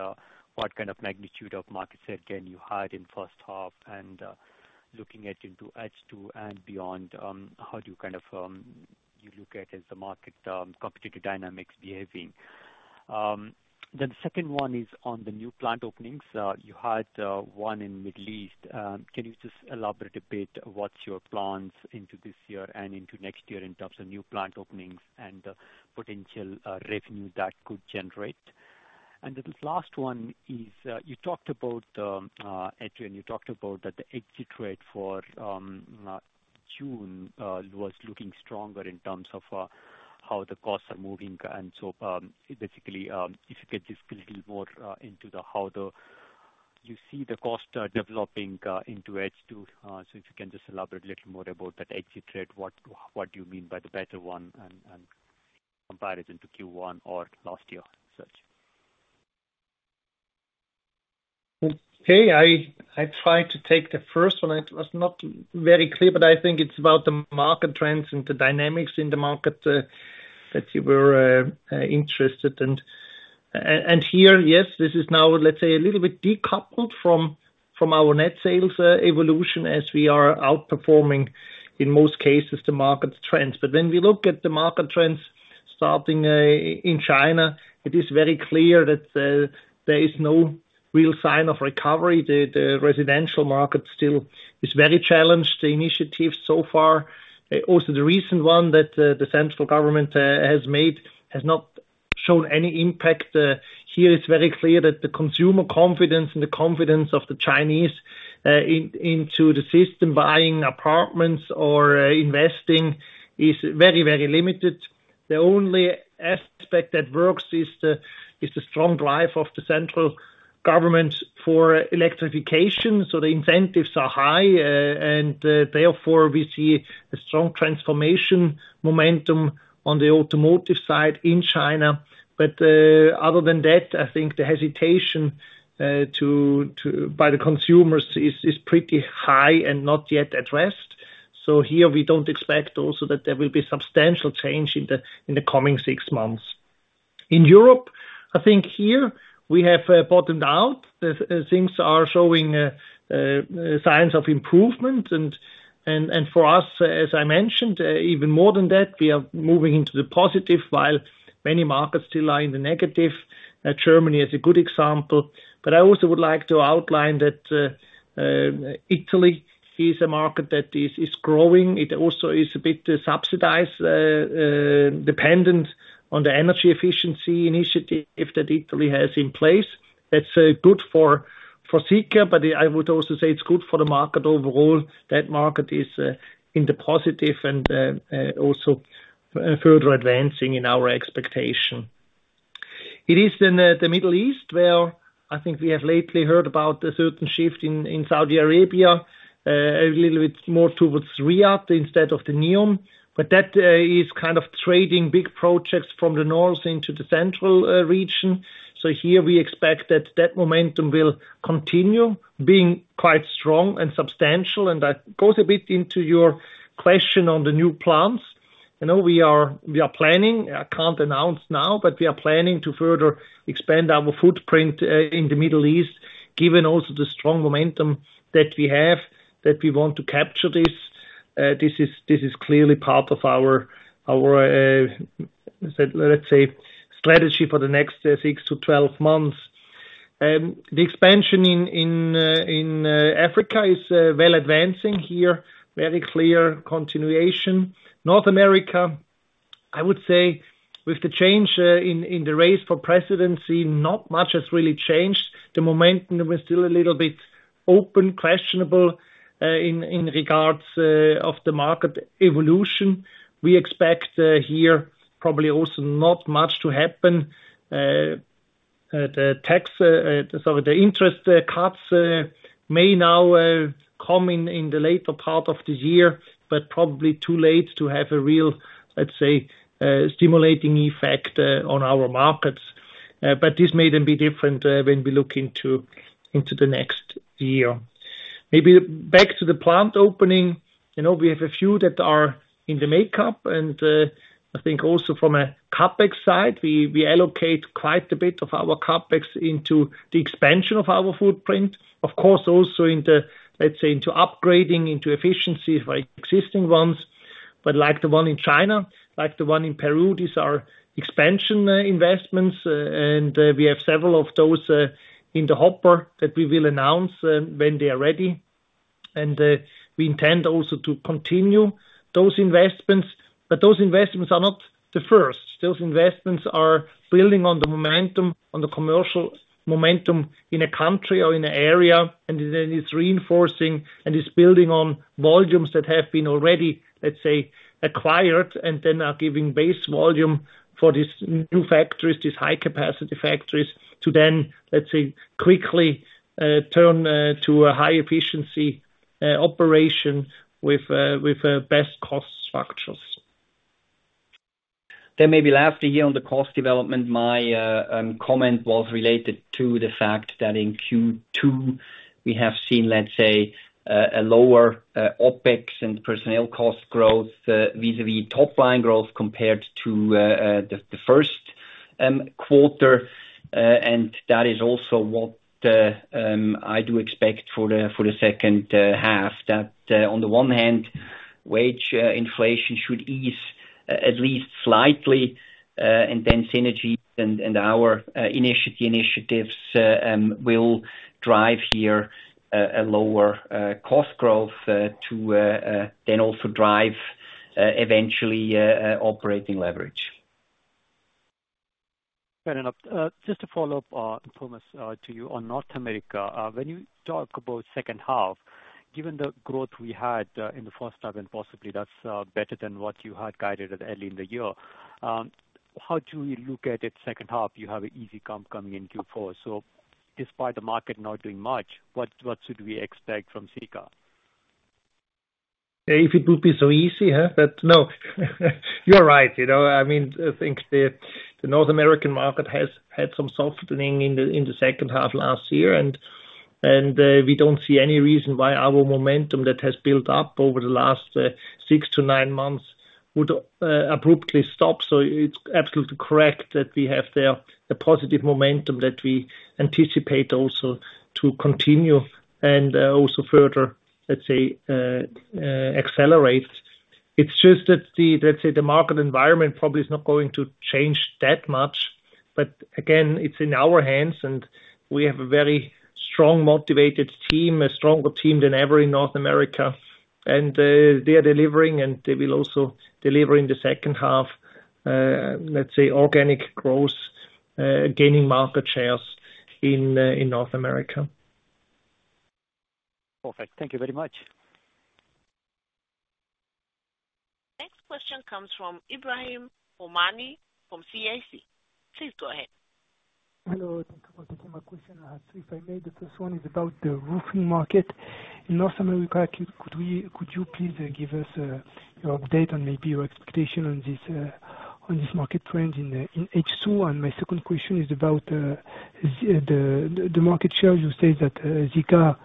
what kind of magnitude of market share gain you had in first half, and looking at into H2 and beyond, how do you kind of you look at as the market competitive dynamics behaving? Then the second one is on the new plant openings. You had one in Middle East. Can you just elaborate a bit, what's your plans into this year and into next year in terms of new plant openings and potential revenue that could generate? The last one is, you talked about, Adrian, you talked about that the exit rate for June was looking stronger in terms of how the costs are moving. So, basically, if you get just a little more into how you see the cost developing into H2. So if you can just elaborate a little more about that exit rate, what do you mean by the better one and comparison to Q1 or last year as such? Okay. I tried to take the first one. It was not very clear, but I think it's about the market trends and the dynamics in the market that you were interested in. And here, yes, this is now, let's say, a little bit decoupled from our net sales evolution as we are outperforming, in most cases, the market trends. But when we look at the market trends starting in China, it is very clear that there is no real sign of recovery. The residential market still is very challenged. The initiatives so far, also the recent one that the central government has made, has not shown any impact. Here it's very clear that the consumer confidence and the confidence of the Chinese into the system, buying apartments or investing, is very, very limited. The only aspect that works is the strong drive of the central government for electrification. So the incentives are high, and therefore, we see a strong transformation momentum on the automotive side in China. But other than that, I think the hesitation by the consumers is pretty high and not yet addressed. So here we don't expect also that there will be substantial change in the coming six months. In Europe, I think here we have bottomed out. Things are showing signs of improvement, and for us, as I mentioned, even more than that, we are moving into the positive, while many markets still are in the negative. Germany is a good example, but I also would like to outline that Italy is a market that is growing. It also is a bit subsidized, dependent on the energy efficiency initiative that Italy has in place. That's good for Sika, but I would also say it's good for the market overall. That market is in the positive and also further advancing in our expectation. It is in the Middle East, where I think we have lately heard about a certain shift in Saudi Arabia, a little bit more towards Riyadh instead of the Neom. But that is kind of trading big projects from the north into the central region. So here we expect that momentum will continue being quite strong and substantial, and that goes a bit into your question on the new plants. I know we are planning, I can't announce now, but we are planning to further expand our footprint in the Middle East, given also the strong momentum that we have, that we want to capture this. This is clearly part of our, let's say, strategy for the next 6 to 12 months. The expansion in Africa is well advancing here, very clear continuation. North America, I would say, with the change in the race for presidency, not much has really changed. The momentum is still a little bit open, questionable in regards of the market evolution. We expect here probably also not much to happen. The tax, so the interest cuts may now come in in the later part of the year, but probably too late to have a real, let's say, stimulating effect on our markets. But this may then be different when we look into into the next year. Maybe back to the plant opening. You know, we have a few that are in the makeup, and I think also from a CapEx side, we allocate quite a bit of our CapEx into the expansion of our footprint. Of course, also in the, let's say, into upgrading, into efficiency for existing ones, but like the one in China, like the one in Peru, these are expansion investments, and we have several of those in the hopper that we will announce when they are ready. we intend also to continue those investments. But those investments are not the first. Those investments are building on the momentum, on the commercial momentum in a country or in an area, and it is reinforcing and is building on volumes that have been already, let's say, acquired, and then are giving base volume for these new factories, these high capacity factories, to then, let's say, quickly, turn to a high efficiency operation with a best cost structures. Then maybe lastly, on the cost development, my comment was related to the fact that in Q2, we have seen, let's say, a lower OpEx and personnel cost growth vis-a-vis top line growth compared to the first quarter. And that is also what I do expect for the second half. That, on the one hand, wage inflation should ease, at least slightly, and then synergy and our initiatives will drive here a lower cost growth to then also drive eventually operating leverage. Fair enough. Just to follow up, Thomas, to you on North America. When you talk about second half, given the growth we had in the first half, and possibly that's better than what you had guided at early in the year, how do you look at it second half? You have an easy comp coming in Q4. So despite the market not doing much, what should we expect from Sika? If it would be so easy, huh? But no, you're right. You know, I mean, I think the North American market has had some softening in the second half of last year, and we don't see any reason why our momentum that has built up over the last 6-9 months would abruptly stop. So it's absolutely correct that we have there a positive momentum that we anticipate also to continue and also further, let's say, accelerate. It's just that the, let's say, the market environment probably is not going to change that much, but again, it's in our hands, and we have a very strong, motivated team, a stronger team than ever in North America. They are delivering, and they will also deliver in the second half, let's say, organic growth, gaining market shares in North America. Perfect. Thank you very much. Next question comes from Ebrahim Homani from CIC. Please go ahead. Hello, thank you for taking my question. I had two, if I may. The first one is about the roofing market. In North America, could you please give us your update and maybe your expectation on this market trend in H2? And my second question is about the market share. You said that Sika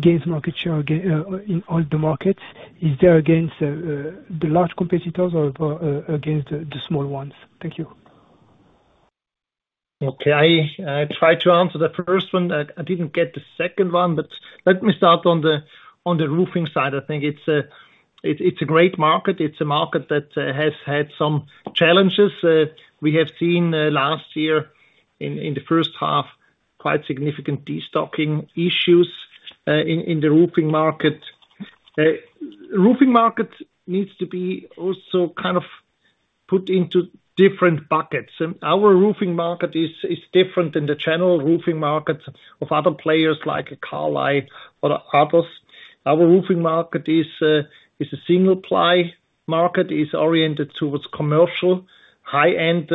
gains market share in all the markets. Is that against the large competitors or against the small ones? Thank you. Okay, I try to answer the first one. I didn't get the second one, but let me start on the roofing side. I think it's a great market. It's a market that has had some challenges. We have seen last year in the first half quite significant destocking issues in the roofing market. Roofing market needs to be also kind of put into different buckets, and our roofing market is different than the general roofing markets of other players like Carlisle or others. Our roofing market is a single ply market, is oriented towards commercial, high-end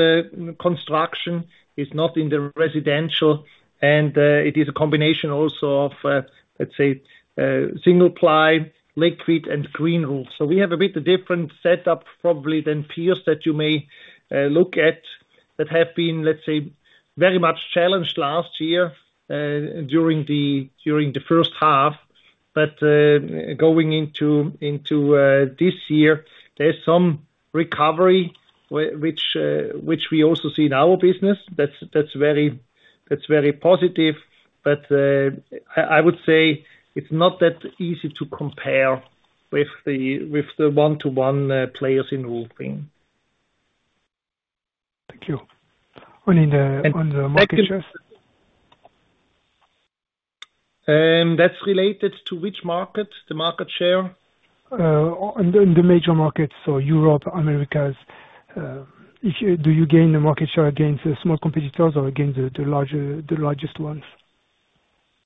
construction, is not in the residential, and it is a combination also of let's say single ply, liquid applied, and green roof. So we have a bit different setup probably than peers that you may look at, that have been, let's say, very much challenged last year, during the, during the first half. But, going into, into, this year, there's some recovery which, which we also see in our business. That's, that's very, that's very positive, but, I, I would say it's not that easy to compare with the, with the one-to-one, players in roofing. Thank you. Only the, on the market share? That's related to which market, the market share? On the major markets, so Europe, Americas. Do you gain the market share against the small competitors or against the largest ones?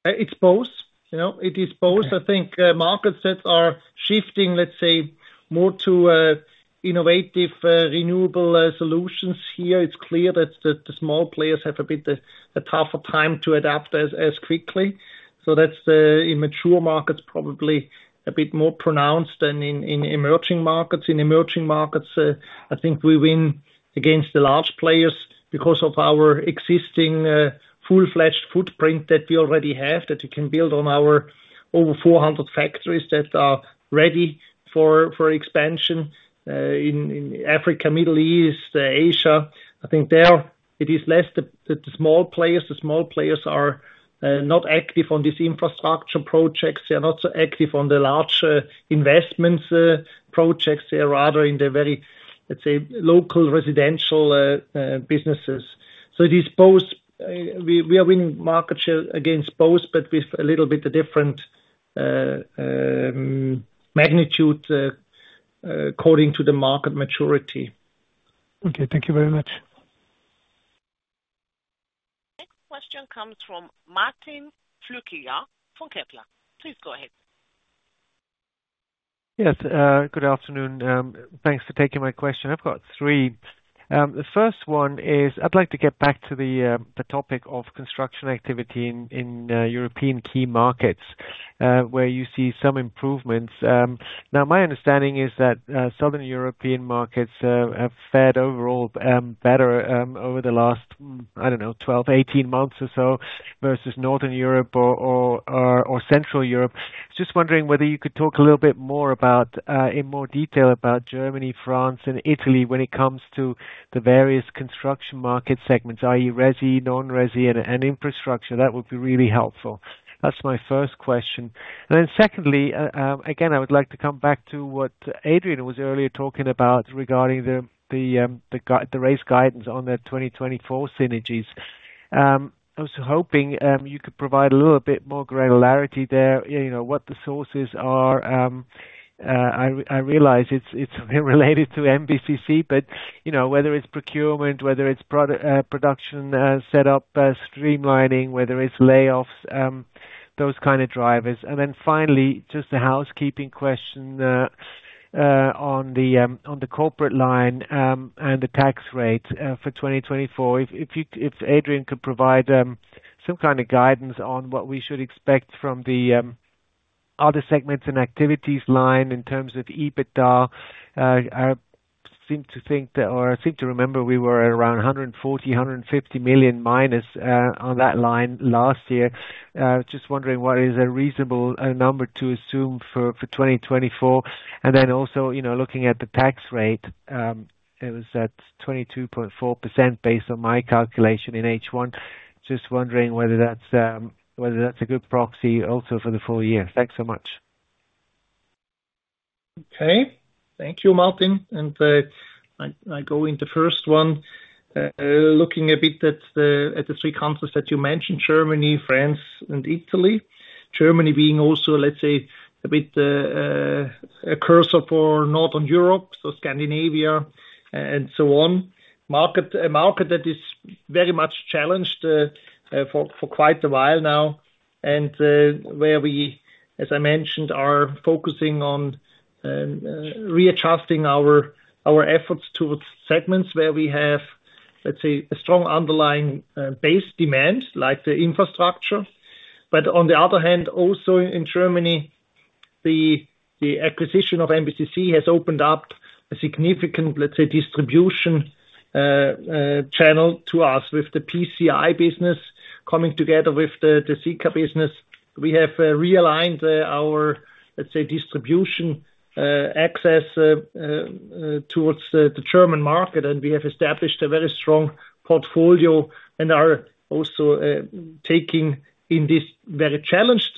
It's both. You know, it is both. Okay. I think, market sets are shifting, let's say, more to, innovative, renewable, solutions here. It's clear that the small players have a bit, a tougher time to adapt as quickly. So that's in mature markets, probably a bit more pronounced than in emerging markets. In emerging markets, I think we win against the large players because of our existing, full-fledged footprint that we already have, that we can build on our over 400 factories that are ready for expansion in Africa, Middle East, Asia. I think there it is less the small players. The small players are not active on this infrastructure projects. They are not so active on the large investments projects. They are rather in the very, let's say, local, residential businesses. So it is both, we are winning market share against both, but with a little bit different magnitude according to the market maturity. Okay, thank you very much. Next question comes from Martin Flückiger from Kepler. Please go ahead. Yes, good afternoon. Thanks for taking my question. I've got three. The first one is I'd like to get back to the topic of construction activity in European key markets where you see some improvements. Now, my understanding is that Southern European markets have fared overall better over the last, I don't know, 12, 18 months or so, versus Northern Europe or Central Europe. Just wondering whether you could talk a little bit more about in more detail about Germany, France and Italy when it comes to the various construction market segments, i.e., resi, non-resi and infrastructure? That would be really helpful. That's my first question. Again, I would like to come back to what Adrian was earlier talking about regarding the guidance on the 2024 synergies. I was hoping you could provide a little bit more granularity there. You know, what the sources are. I realize it's related to MBCC, but, you know, whether it's procurement, whether it's production, set up, streamlining, whether it's layoffs, those kind of drivers. And then finally, just a housekeeping question on the corporate line and the tax rate for 2024. If Adrian could provide some kind of guidance on what we should expect from the other segments and activities line in terms of EBITDA, I seem to think, or I seem to remember we were around 140 million, 150 million minus on that line last year. Just wondering, what is a reasonable number to assume for 2024? And then also, you know, looking at the tax rate, it was at 22.4%, based on my calculation in H1. Just wondering whether that's a good proxy also for the full year. Thanks so much. Okay, thank you, Martin. I go in the first one, looking a bit at the three countries that you mentioned, Germany, France, and Italy. Germany being also, let's say, a bit, a cursor for Northern Europe, so Scandinavia and so on. Market, a market that is very much challenged, for quite a while now, and where we, as I mentioned, are focusing on readjusting our efforts towards segments where we have, let's say, a strong underlying base demand, like the infrastructure. But on the other hand, also in Germany, the acquisition of MBCC has opened up a significant, let's say, distribution channel to us. With the PCI business coming together with the Sika business, we have realigned our, let's say, distribution access towards the German market, and we have established a very strong portfolio and are also taking in this very challenged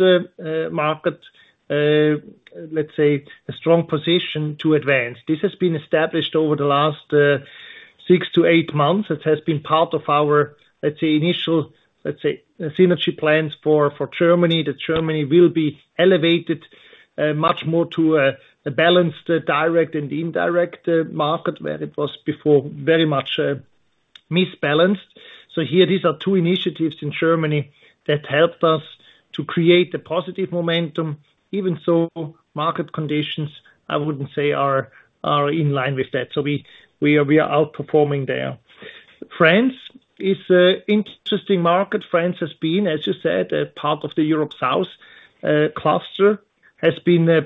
market, let's say, a strong position to advance. This has been established over the last six to eight months. It has been part of our, let's say, initial, let's say, synergy plans for Germany, that Germany will be elevated much more to a balanced, direct and indirect market, where it was before, very much imbalanced. So here these are two initiatives in Germany that helped us to create the positive momentum. Even so, market conditions, I wouldn't say are in line with that. So we are outperforming there. France is an interesting market. France has been, as you said, a part of the Europe South cluster,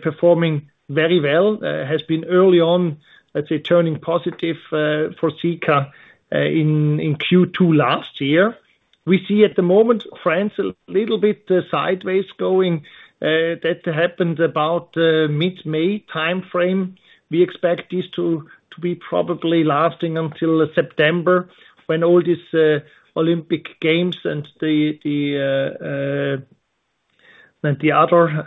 performing very well, early on, let's say, turning positive, for Sika, in Q2 last year. We see at the moment, France a little bit sideways going. That happened about mid-May timeframe. We expect this to be probably lasting until September, when all these Olympic Games and the other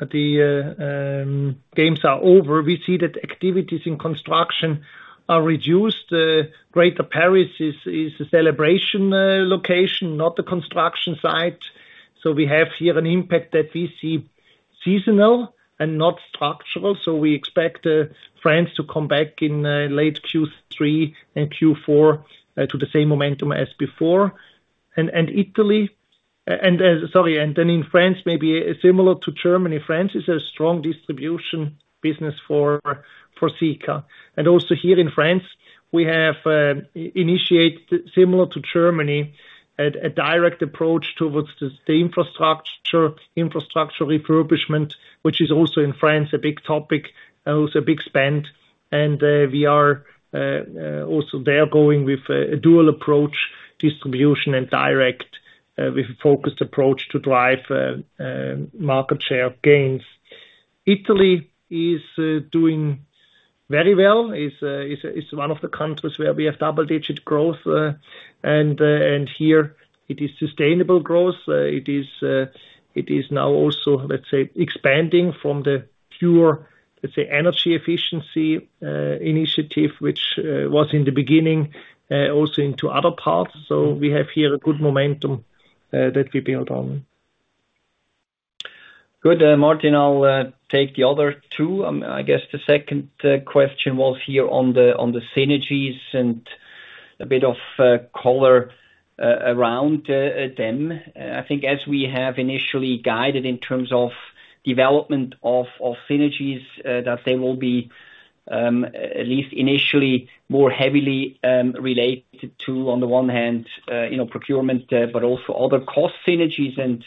games are over. We see that activities in construction are reduced. Greater Paris is a celebration location, not a construction site. So we have here an impact that we see seasonal and not structural. So we expect France to come back in late Q3 and Q4 to the same momentum as before. And Italy, sorry, and then in France, maybe similar to Germany. France is a strong distribution business for Sika. And also here in France, we have initiated, similar to Germany, a direct approach towards the infrastructure refurbishment, which is also in France a big topic, also a big spend. And we are also there going with a dual approach, distribution and direct, with a focused approach to drive market share gains. Italy is doing very well, is one of the countries where we have double-digit growth, and here it is sustainable growth. It is now also, let's say, expanding from the pure, let's say, energy efficiency initiative, which was in the beginning, also into other parts. We have here a good momentum that we build on.... Good, Martin, I'll take the other two. I guess the second question was here on the synergies and a bit of color around them. I think as we have initially guided in terms of development of synergies, that they will be, at least initially, more heavily related to, on the one hand, you know, procurement, but also other cost synergies and,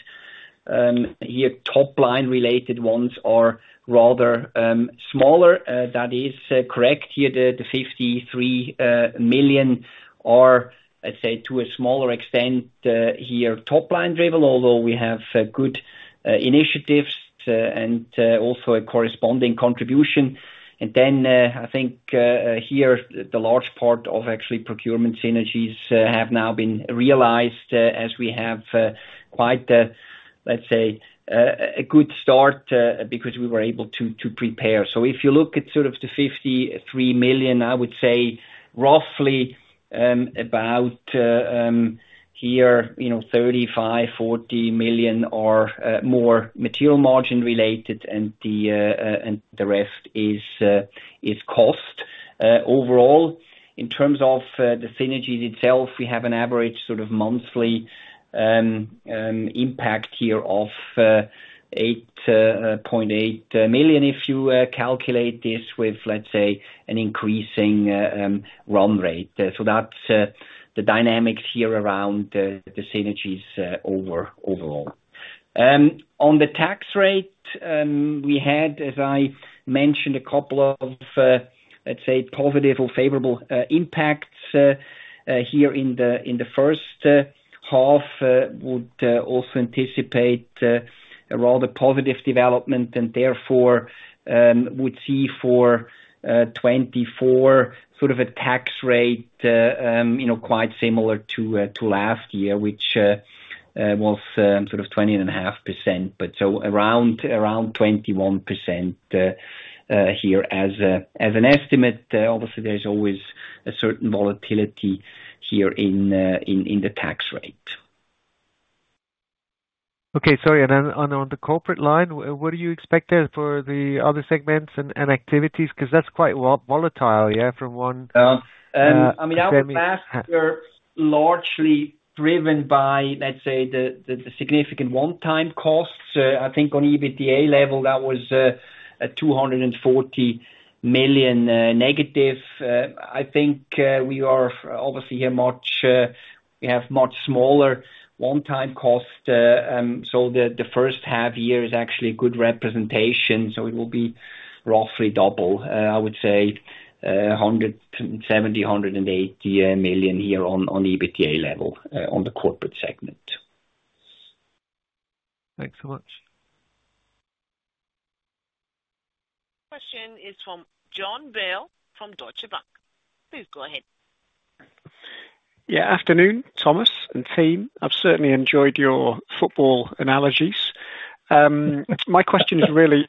here top line related ones are rather smaller. That is correct, here the 53 million are, let's say, to a smaller extent, here top line driven, although we have good initiatives and also a corresponding contribution. I think here the large part of actually procurement synergies have now been realized, as we have quite a, let's say, good start, because we were able to prepare. So if you look at sort of the 53 million, I would say roughly, about, here, you know, 35 million-40 million are more material margin-related, and the and the rest is cost. Overall, in terms of the synergies itself, we have an average sort of monthly impact here of 8.8 million, if you calculate this with, let's say, an increasing run rate. So that's the dynamics here around the synergies overall. On the tax rate, we had, as I mentioned, a couple of, let's say, positive or favorable impacts here in the first half. Would also anticipate a rather positive development and therefore would see for 2024 sort of a tax rate, you know, quite similar to last year, which was sort of 20.5%, but so around, around 21% here as an estimate. Obviously there's always a certain volatility here in the tax rate. Okay, sorry. And then on the corporate line, what do you expect there for the other segments and activities? 'Cause that's quite volatile, yeah, from one- I mean, last year, largely driven by, let's say, the significant one-time costs. I think on EBITDA level, that was a negative 240 million. I think we are obviously a much, we have much smaller one-time cost. So the first half year is actually a good representation, so it will be roughly double. I would say 170 million-180 million here on EBITDA level on the corporate segment. Thanks so much. Question is from Jon Bell, from Deutsche Bank. Please go ahead. Yeah, afternoon, Thomas and team. I've certainly enjoyed your football analogies. My question is really,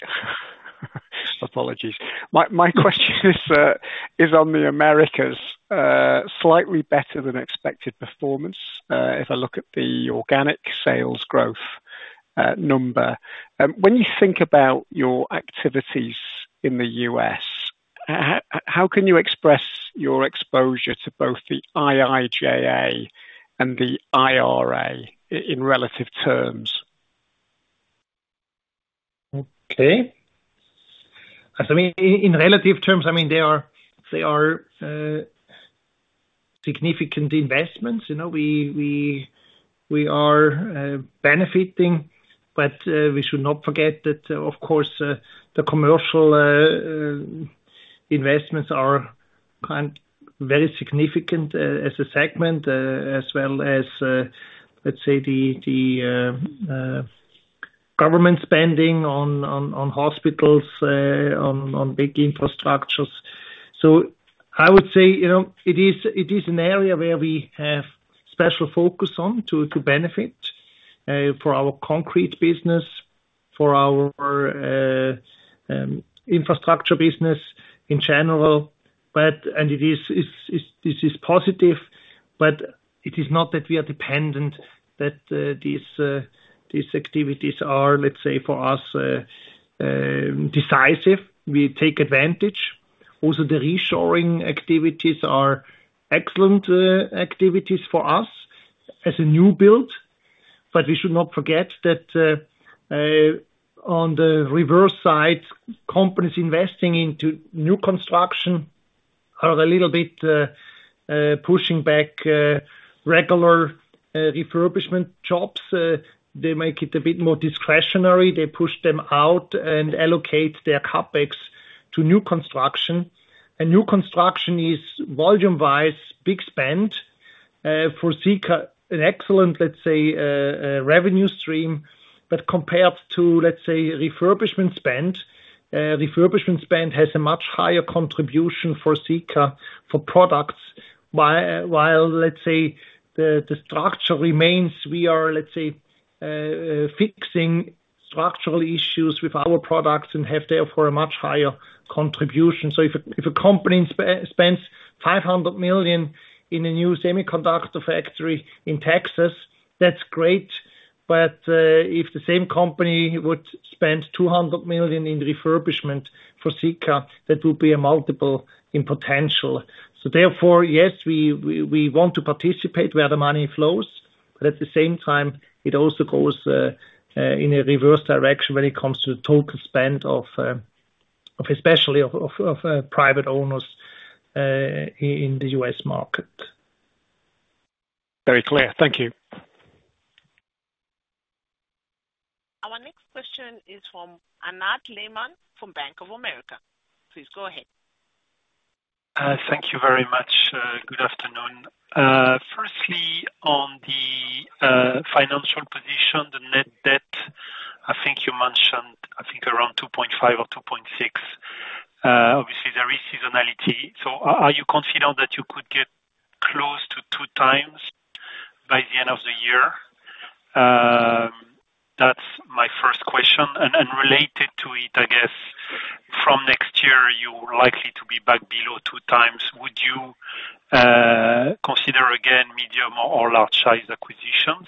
apologies. My question is on the Americas, slightly better than expected performance, if I look at the organic sales growth number. When you think about your activities in the U.S., how can you express your exposure to both the IIJA and the IRA in relative terms? Okay. I think in relative terms, I mean, they are significant investments. You know, we are benefiting, but we should not forget that, of course, the commercial investments are kind of very significant as a segment, as well as, let's say, the government spending on hospitals, on big infrastructures. So I would say, you know, it is an area where we have special focus on to benefit for our concrete business, for our infrastructure business in general. But and it is, it is positive, but it is not that we are dependent, that these activities are, let's say, for us decisive. We take advantage. Also, the reshoring activities are excellent activities for us as a new build, but we should not forget that, on the reverse side, companies investing into new construction are a little bit pushing back regular refurbishment jobs. They make it a bit more discretionary. They push them out and allocate their CapEx to new construction. A new construction is volume-wise, big spend for Sika, an excellent, let's say, revenue stream. But compared to, let's say, refurbishment spend, refurbishment spend has a much higher contribution for Sika for products, while, let's say, the structure remains, we are, let's say, fixing structural issues with our products and have, therefore, a much higher contribution. So if a company spends-... $500 million in a new semiconductor factory in Texas, that's great, but if the same company would spend $200 million in refurbishment for Sika, that would be a multiple in potential. So therefore, yes, we want to participate where the money flows, but at the same time, it also goes in a reverse direction when it comes to total spend of especially of private owners in the U.S. market. Very clear. Thank you. Our next question is from Arnaud Lehmann, from Bank of America. Please go ahead. Thank you very much. Good afternoon. Firstly, on the financial position, the net debt, I think you mentioned, I think around 2.5 or 2.6. Obviously, there is seasonality, so are you confident that you could get close to 2x by the end of the year? That's my first question. And related to it, I guess, from next year, you're likely to be back below 2x. Would you consider again, medium or large size acquisitions?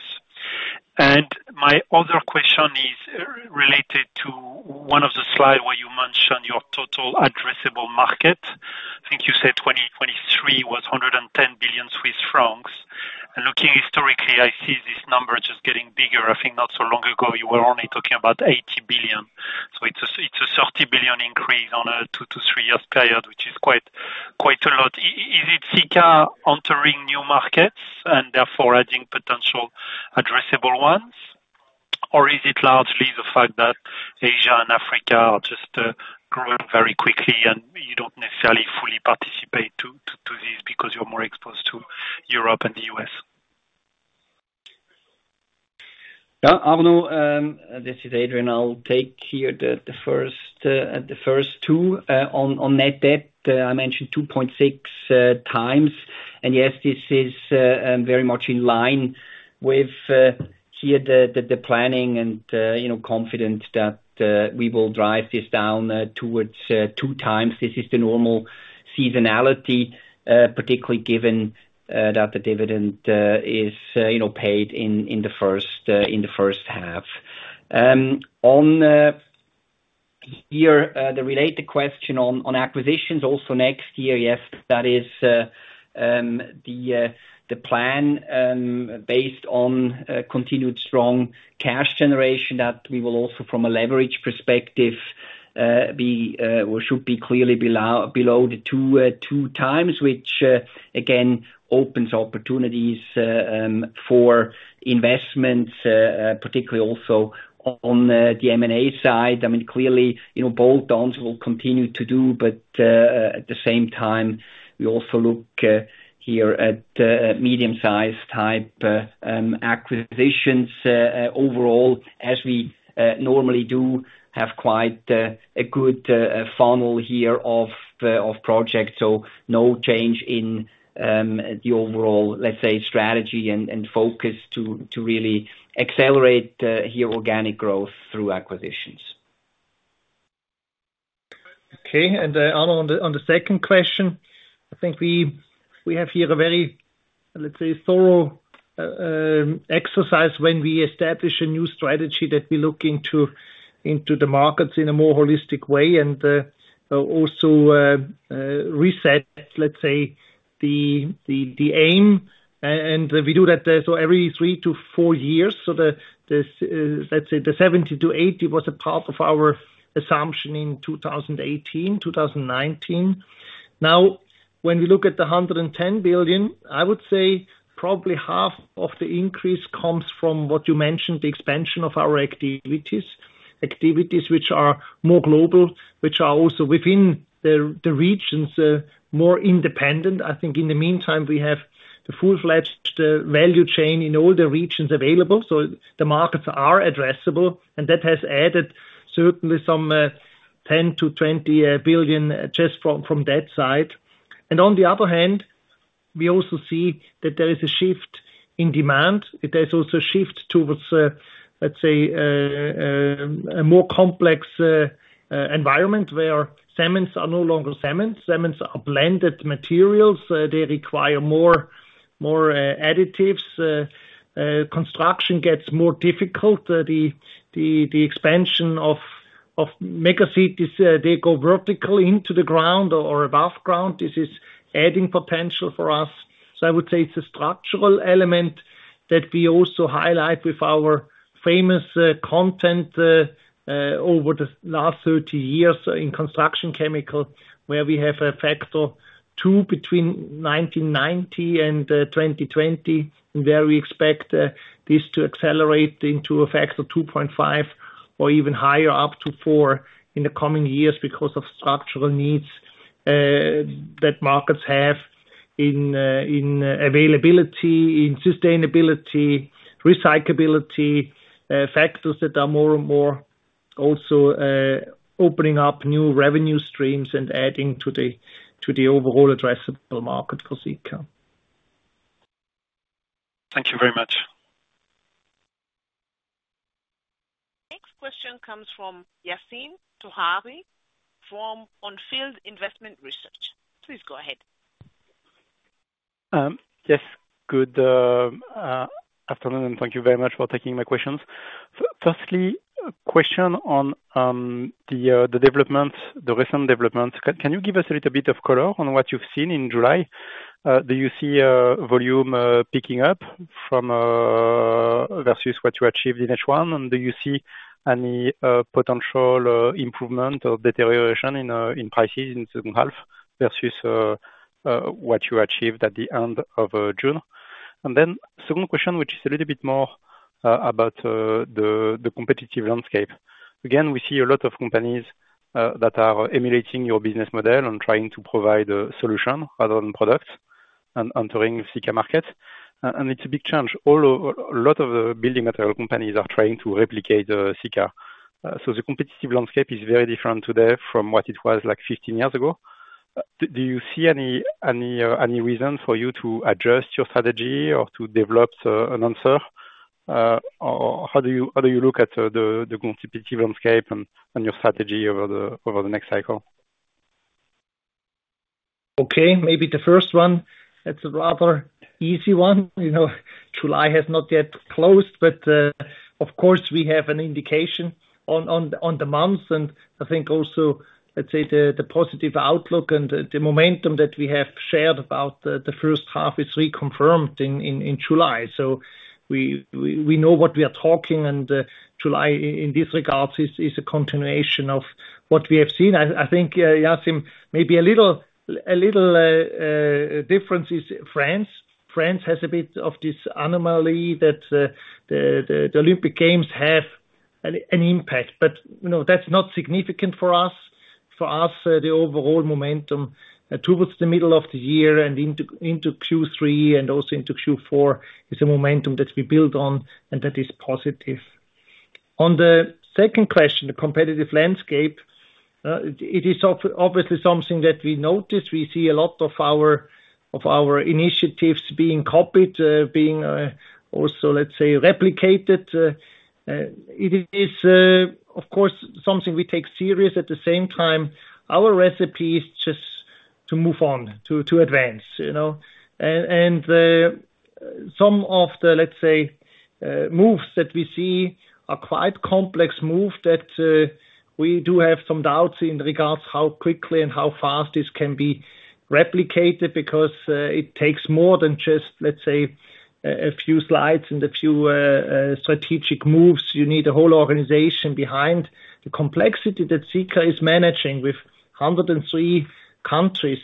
And my other question is related to one of the slides where you mentioned your total addressable market. I think you said 2023 was 110 billion Swiss francs. And looking historically, I see this number just getting bigger. I think not so long ago, you were only talking about 80 billion. So it's a 30 billion increase on a 2-3 years period, which is quite a lot. Is it Sika entering new markets and therefore adding potential addressable ones? Or is it largely the fact that Asia and Africa are just growing very quickly, and you don't necessarily fully participate to this because you're more exposed to Europe and the U.S.? Yeah, Arnaud, this is Adrian. I'll take here the first two. On net debt, I mentioned 2.6x, and yes, this is very much in line with the planning and, you know, confidence that we will drive this down towards 2x. This is the normal seasonality, particularly given that the dividend is, you know, paid in the first half. On the related question on acquisitions also next year, yes, that is the plan based on continued strong cash generation, that we will also, from a leverage perspective, be or should be clearly below 2x, which again opens opportunities for investments, particularly also on the M&A side. I mean, clearly, you know, bolt-ons will continue to do, but at the same time, we also look here at medium-sized type acquisitions overall, as we normally do have quite a good funnel here of projects. So no change in the overall, let's say, strategy and focus to really accelerate here organic growth through acquisitions. Okay, and, Anat, on the second question, I think we have here a very, let's say, thorough exercise when we establish a new strategy that we look into the markets in a more holistic way and also reset, let's say, the aim. And we do that so every 3-4 years. So let's say the 70-80 billion was a part of our assumption in 2018, 2019. Now, when we look at the 110 billion, I would say probably half of the increase comes from what you mentioned, the expansion of our activities. Activities which are more global, which are also within the regions, more independent. I think in the meantime, we have the full-fledged value chain in all the regions available, so the markets are addressable, and that has added certainly some 10 billion-20 billion just from that side. And on the other hand, we also see that there is a shift in demand. There's also a shift towards, let's say, a more complex environment, where cements are no longer cements. Cements are blended materials, they require more additives, construction gets more difficult. The expansion of megacities, they go vertically into the ground or above ground. This is adding potential for us. So I would say it's a structural element that we also highlight with our famous content over the last 30 years in construction chemical, where we have a factor two between 1990 and 2020, and where we expect this to accelerate into a factor of 2.5 or even higher, up to four, in the coming years because of structural needs that markets have in availability, in sustainability, recyclability, factors that are more and more also opening up new revenue streams and adding to the overall addressable market for Sika. Thank you very much. ... comes from Yassine Touahri, from On Field Investment Research. Please go ahead. Yes, good afternoon, and thank you very much for taking my questions. Firstly, a question on the development, the recent development. Can you give us a little bit of color on what you've seen in July? Do you see volume picking up from versus what you achieved in H1? And do you see any potential improvement or deterioration in prices in the second half versus what you achieved at the end of June? And then second question, which is a little bit more about the competitive landscape. Again, we see a lot of companies that are emulating your business model and trying to provide a solution rather than products and entering Sika market, and it's a big change. A lot of the building material companies are trying to replicate Sika. So the competitive landscape is very different today from what it was like 15 years ago. Do you see any reason for you to adjust your strategy or to develop an answer? Or how do you look at the competitive landscape and your strategy over the next cycle? Okay, maybe the first one, that's a rather easy one. You know, July has not yet closed, but of course, we have an indication on the months. And I think also, let's say, the positive outlook and the momentum that we have shared about the first half is reconfirmed in July. So we know what we are talking, and July in this regard is a continuation of what we have seen. I think, Yasine, maybe a little difference is France. France has a bit of this anomaly that the Olympic Games have an impact. But you know, that's not significant for us. For us, the overall momentum, towards the middle of the year and into Q3 and also into Q4, is a momentum that we build on, and that is positive. On the second question, the competitive landscape, it is obviously something that we notice. We see a lot of our initiatives being copied, also, let's say, replicated. It is, of course, something we take serious. At the same time, our recipe is just to move on, to advance, you know. Some of the, let's say, moves that we see are quite complex move that we do have some doubts in regards how quickly and how fast this can be replicated, because it takes more than just, let's say, a few slides and a few strategic moves. You need a whole organization behind. The complexity that Sika is managing with 103 countries,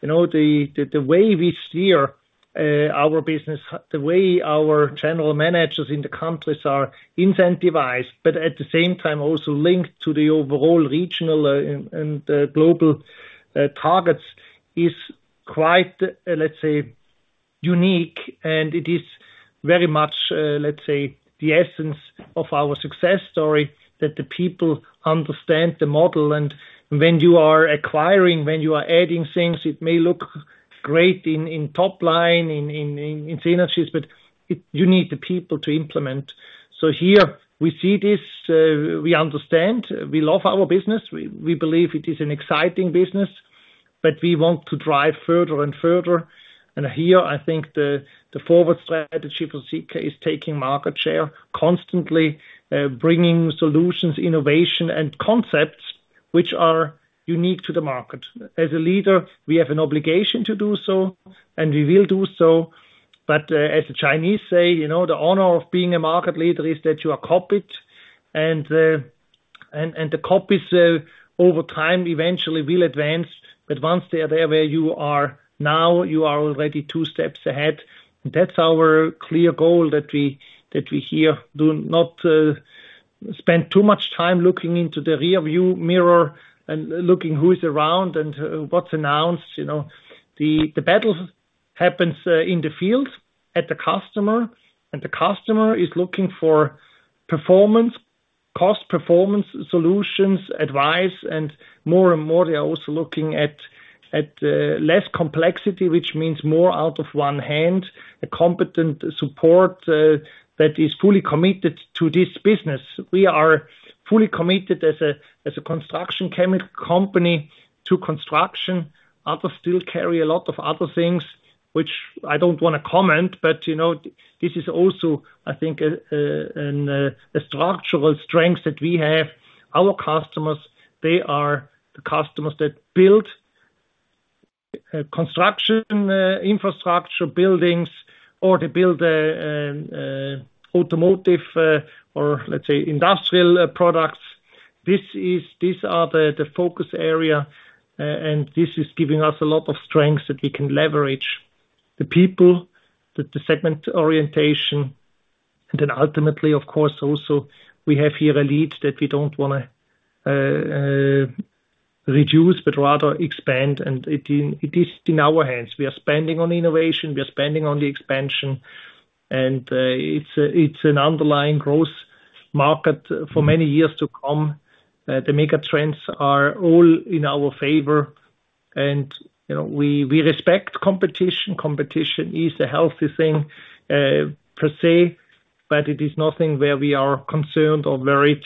you know, the way we steer our business, the way our general managers in the countries are incentivized, but at the same time also linked to the overall regional and global targets, is quite, let's say, unique. And it is very much, let's say, the essence of our success story, that the people understand the model. And when you are acquiring, when you are adding things, it may look great in top line, in synergies, but you need the people to implement. So here we see this, we understand. We love our business. We believe it is an exciting business, but we want to drive further and further. And here, I think the forward strategy for Sika is taking market share, constantly, bringing solutions, innovation, and concepts which are unique to the market. As a leader, we have an obligation to do so, and we will do so. But, as the Chinese say, you know, "The honor of being a market leader is that you are copied." And the copies, over time, eventually will advance. But once they are there, where you are now, you are already two steps ahead. That's our clear goal, that we here do not spend too much time looking into the rearview mirror and looking who's around and what's announced, you know. The battle happens in the field at the customer, and the customer is looking for performance, cost performance, solutions, advice, and more and more, they are also looking at less complexity, which means more out of one hand, a competent support that is fully committed to this business. We are fully committed as a construction chemical company to construction. Others still carry a lot of other things which I don't wanna comment, but, you know, this is also, I think, a structural strength that we have. Our customers, they are the customers that build construction, infrastructure, buildings, or they build automotive, or let's say, industrial products. These are the focus area, and this is giving us a lot of strength that we can leverage the people, the segment orientation. And then ultimately, of course, also, we have here a lead that we don't wanna reduce, but rather expand, and it is in our hands. We are spending on innovation, we are spending on the expansion, and it's an underlying growth market for many years to come. The mega trends are all in our favor.... And, you know, we respect competition. Competition is a healthy thing, per se, but it is nothing where we are concerned or worried.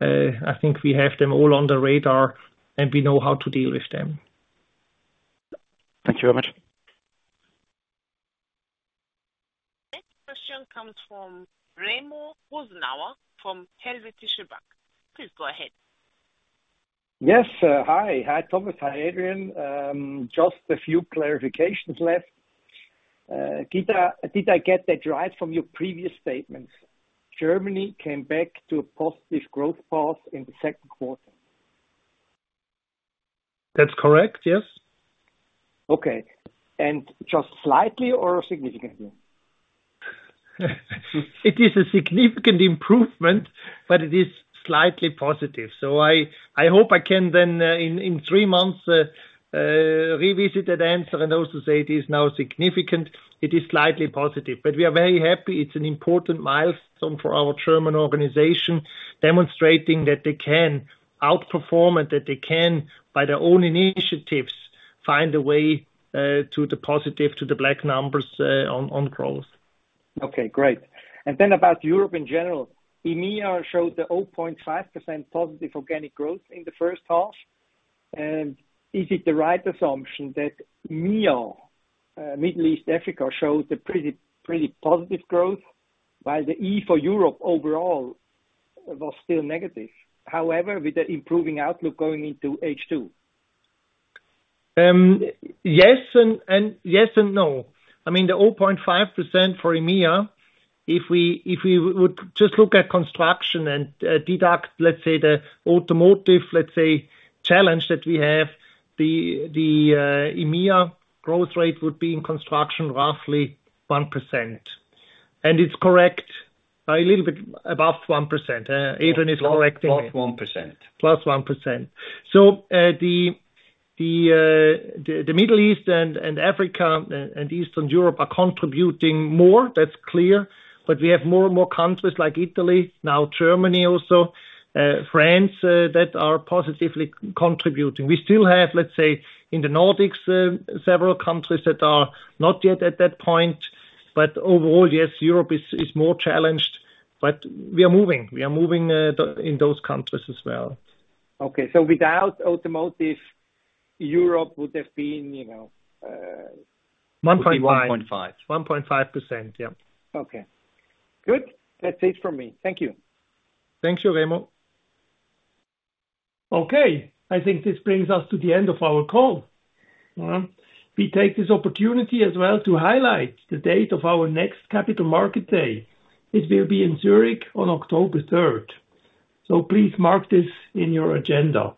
I think we have them all on the radar, and we know how to deal with them. Thank you very much. Next question comes from Remo Rosenau from Helvetische Bank. Please go ahead. Yes, hi. Hi, Thomas. Hi, Adrian. Just a few clarifications left. Did I get that right from your previous statements, Germany came back to a positive growth path in the second quarter? That's correct, yes. Okay. And just slightly or significantly? It is a significant improvement, but it is slightly positive. So I hope I can then, in three months, revisit that answer and also say it is now significant. It is slightly positive, but we are very happy. It's an important milestone for our German organization, demonstrating that they can outperform and that they can, by their own initiatives, find a way to the positive, to the black numbers, on growth. Okay, great. And then about Europe in general, EMEA showed a 0.5% positive organic growth in the first half. And is it the right assumption that MEA, Middle East, Africa, showed a pretty, pretty positive growth, while the E for Europe overall was still negative? However, with the improving outlook going into H2. Yes, and yes and no. I mean, the 0.5% for EMEA, if we, if we would just look at construction and deduct, let's say, the automotive, let's say, challenge that we have, the EMEA growth rate would be in construction roughly 1%. And it's correct, a little bit above 1%. Adrian is correcting me. +1%. +1%. So, the Middle East and Africa and Eastern Europe are contributing more, that's clear. But we have more and more countries like Italy, now Germany also, France, that are positively contributing. We still have, let's say, in the Nordics, several countries that are not yet at that point, but overall, yes, Europe is more challenged, but we are moving. We are moving, in those countries as well. Okay. So without automotive, Europe would have been, you know, 1.5. 1.5. 1.5%, yeah. Okay. Good. That's it for me. Thank you. Thank you, Remo. Okay, I think this brings us to the end of our call. We take this opportunity as well to highlight the date of our next Capital Market Day. It will be in Zurich on October third, so please mark this in your agenda.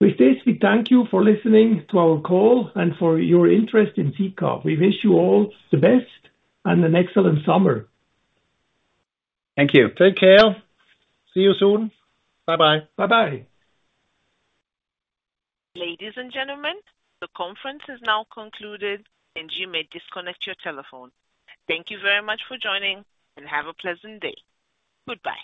With this, we thank you for listening to our call and for your interest in Sika. We wish you all the best and an excellent summer. Thank you. Take care. See you soon. Bye-bye. Bye-bye. Ladies and gentlemen, the conference is now concluded, and you may disconnect your telephone. Thank you very much for joining, and have a pleasant day. Goodbye.